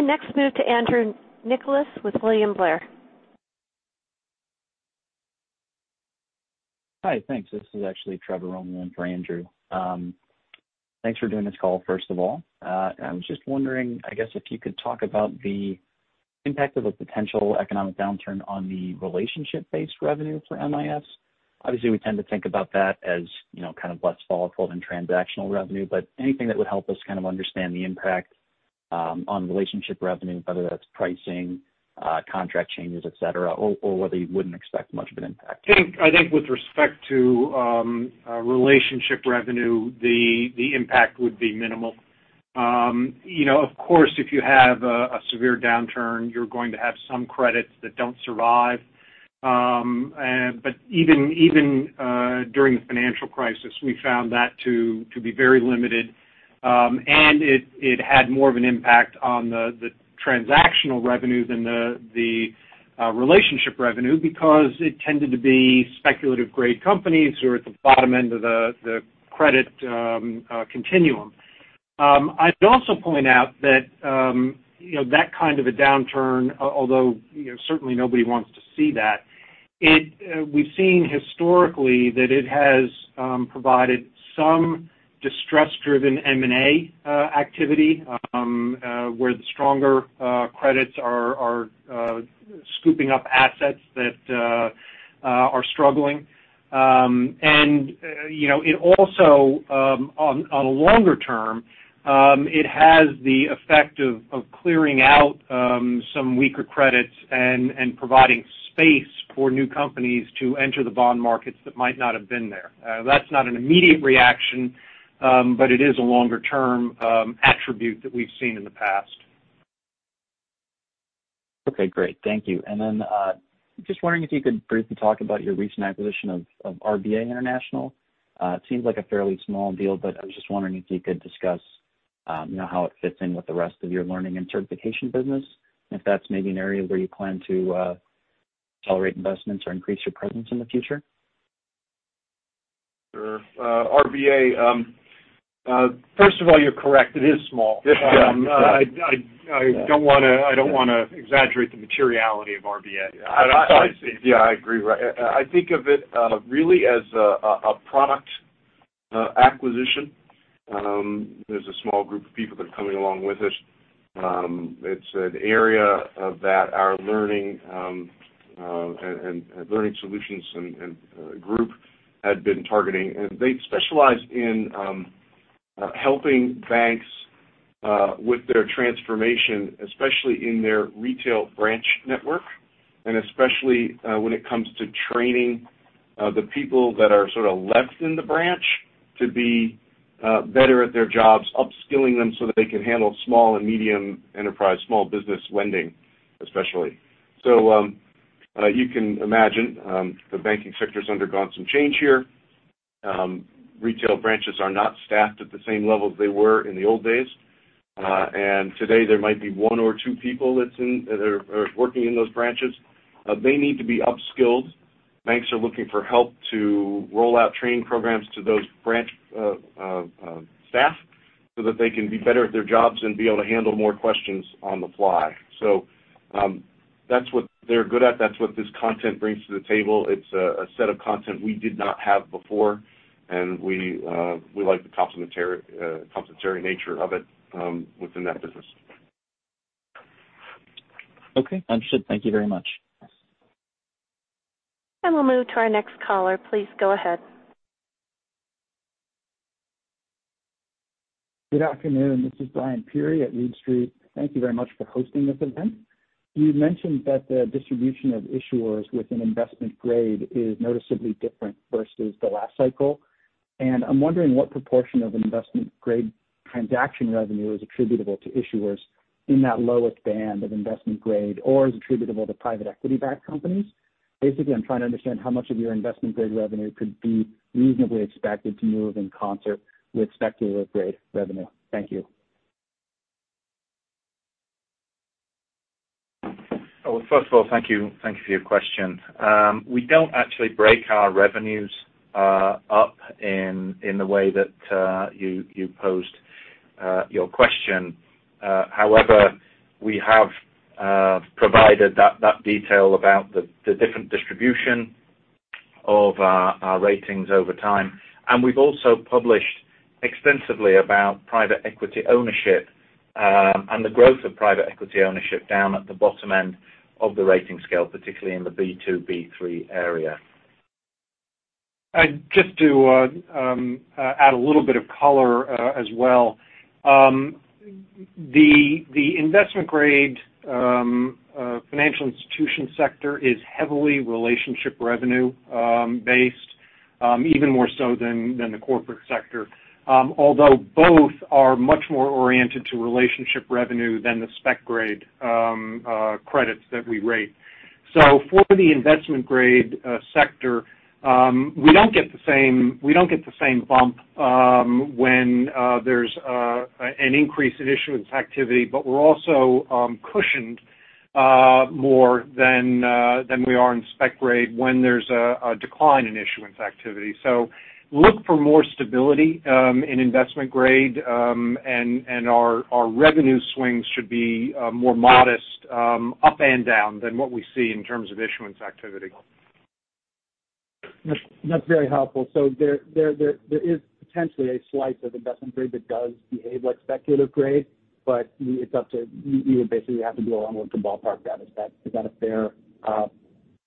Next, move to Andrew Nicholas with William Blair. Hi, thanks. This is actually Trevor Romeo for Andrew. Thanks for doing this call, first of all. I was just wondering, I guess, if you could talk about the impact of a potential economic downturn on the relationship-based revenue for MIS. Obviously, we tend to think about that as kind of less volatile than transactional revenue, but anything that would help us kind of understand the impact on relationship revenue, whether that's pricing, contract changes, et cetera, or whether you wouldn't expect much of an impact. I think with respect to relationship revenue, the impact would be minimal. Of course, if you have a severe downturn, you're going to have some credits that don't survive. Even during the financial crisis, we found that to be very limited. It had more of an impact on the transactional revenue than the relationship revenue because it tended to be speculative-grade companies who are at the bottom end of the credit continuum. I'd also point out that kind of a downturn, although certainly nobody wants to see that, we've seen historically that it has provided some distress-driven M&A activity, where the stronger credits are scooping up assets that are struggling. It also, on a longer term, it has the effect of clearing out some weaker credits and providing space for new companies to enter the bond markets that might not have been there. That's not an immediate reaction, but it is a longer-term attribute that we've seen in the past. Okay, great. Thank you. Just wondering if you could briefly talk about your recent acquisition of RBA International. It seems like a fairly small deal, I was just wondering if you could discuss how it fits in with the rest of your learning and certification business, and if that's maybe an area where you plan to accelerate investments or increase your presence in the future. Sure. RBA, first of all, you're correct. It is small. Yeah. I don't want to exaggerate the materiality of RBA. I see. Yeah, I agree. I think of it really as a product acquisition. There's a small group of people that are coming along with it. It's an area that our learning solutions group had been targeting, and they specialize in helping banks with their transformation, especially in their retail branch network, and especially when it comes to training the people that are sort of left in the branch to be better at their jobs, upskilling them so that they can handle small and medium enterprise, small business lending, especially. You can imagine, the banking sector's undergone some change here. Retail branches are not staffed at the same level as they were in the old days. Today there might be one or two people that are working in those branches. They need to be upskilled. Banks are looking for help to roll out training programs to those branch staff so that they can be better at their jobs and be able to handle more questions on the fly. That's what they're good at. That's what this content brings to the table. It's a set of content we did not have before, and we like the complementary nature of it within that business. Okay, understood. Thank you very much. We'll move to our next caller. Please go ahead. Good afternoon. This is Brian Pirie at Reade Street. Thank you very much for hosting this event. You mentioned that the distribution of issuers with an investment-grade is noticeably different versus the last cycle, and I'm wondering what proportion of investment-grade transaction revenue is attributable to issuers in that lowest band of investment-grade, or is attributable to private equity-backed companies. Basically, I'm trying to understand how much of your investment-grade revenue could be reasonably expected to move in concert with speculative-grade revenue. Thank you. Well, first of all, thank you for your question. We don't actually break our revenues up in the way that you posed your question. We have provided that detail about the different distribution of our ratings over time, and we've also published extensively about private equity ownership and the growth of private equity ownership down at the bottom end of the rating scale, particularly in the B2, B3 area. Just to add a little bit of color as well. The investment-grade financial institution sector is heavily relationship revenue based even more so than the corporate sector although both are much more oriented to relationship revenue than the spec-grade credits that we rate. For the investment-grade sector, we don't get the same bump when there's an increase in issuance activity, but we're also cushioned more than we are in spec-grade when there's a decline in issuance activity. Look for more stability in investment-grade and our revenue swings should be more modest up and down than what we see in terms of issuance activity. That's very helpful. There is potentially a slice of investment grade that does behave like speculative grade, but you would basically have to do our own work to ballpark that. Is that a fair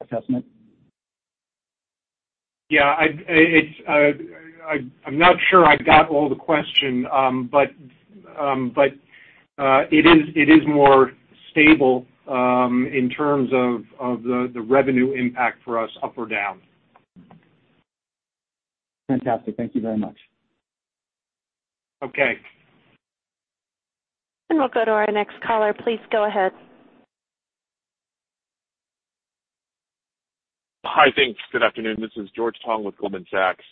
assessment? Yeah. I'm not sure I got all the question. It is more stable in terms of the revenue impact for us up or down. Fantastic. Thank you very much. Okay. We'll go to our next caller. Please go ahead. Hi, thanks. Good afternoon. This is George Tong with Goldman Sachs.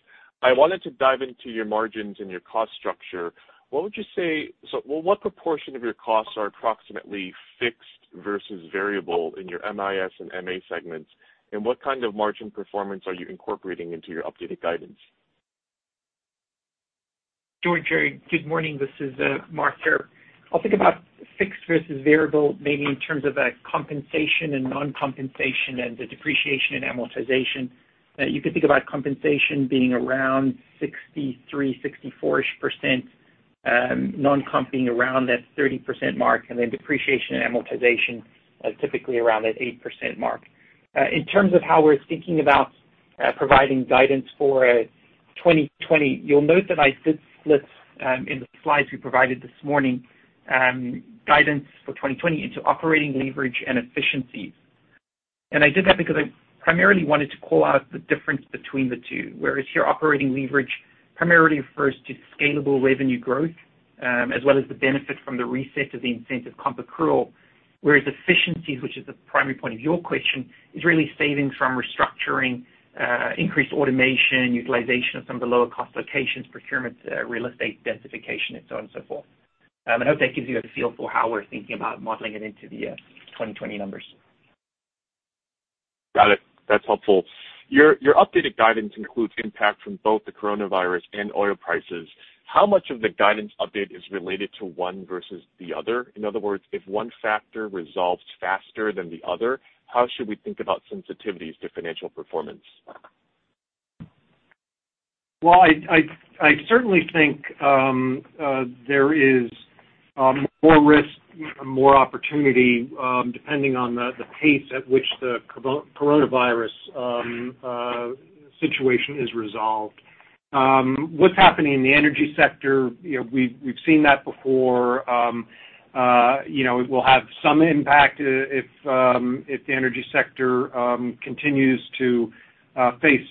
I wanted to dive into your margins and your cost structure. What proportion of your costs are approximately fixed versus variable in your MIS and MA segments? What kind of margin performance are you incorporating into your updated guidance? George, Harry, good morning. This is Mark here. I'll think about fixed versus variable maybe in terms of compensation and non-compensation and the depreciation in amortization. You could think about compensation being around 63, 64-ish%, non-comping around that 30% mark, and then depreciation and amortization typically around that 8% mark. In terms of how we're thinking about providing guidance for 2020, you'll note that I did split in the slides we provided this morning guidance for 2020 into operating leverage and efficiencies. I did that because I primarily wanted to call out the difference between the two. Whereas your operating leverage primarily refers to scalable revenue growth as well as the benefit from the reset of the incentive comp accrual. Efficiencies, which is the primary point of your question, is really savings from restructuring, increased automation, utilization of some of the lower cost locations, procurements, real estate densification, and so on and so forth. I hope that gives you a feel for how we're thinking about modeling it into the 2020 numbers. Got it. That's helpful. Your updated guidance includes impact from both the Coronavirus and oil prices. How much of the guidance update is related to one versus the other? In other words, if one factor resolves faster than the other, how should we think about sensitivities to financial performance? Well, I certainly think there is more risk and more opportunity, depending on the pace at which the coronavirus situation is resolved. What's happening in the energy sector, we've seen that before. It will have some impact if the energy sector continues to face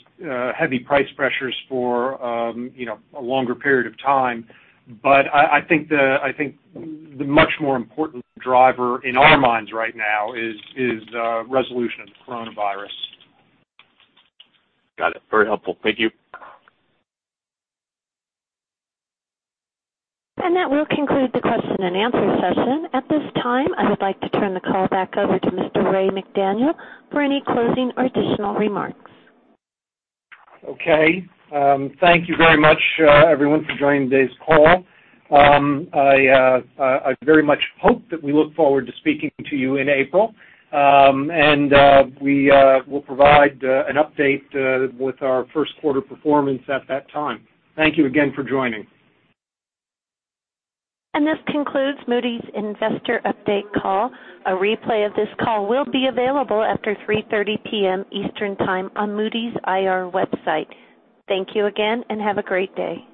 heavy price pressures for a longer period of time. I think the much more important driver in our minds right now is resolution of the coronavirus. Got it. Very helpful. Thank you. That will conclude the question and answer session. At this time, I would like to turn the call back over to Mr. Ray McDaniel for any closing or additional remarks. Okay. Thank you very much, everyone, for joining today's call. I very much hope that we look forward to speaking to you in April. We will provide an update with our first quarter performance at that time. Thank you again for joining. This concludes Moody's Investor Update Call. A replay of this call will be available after 3:30 P.M. Eastern Time on Moody's IR website. Thank you again, and have a great day.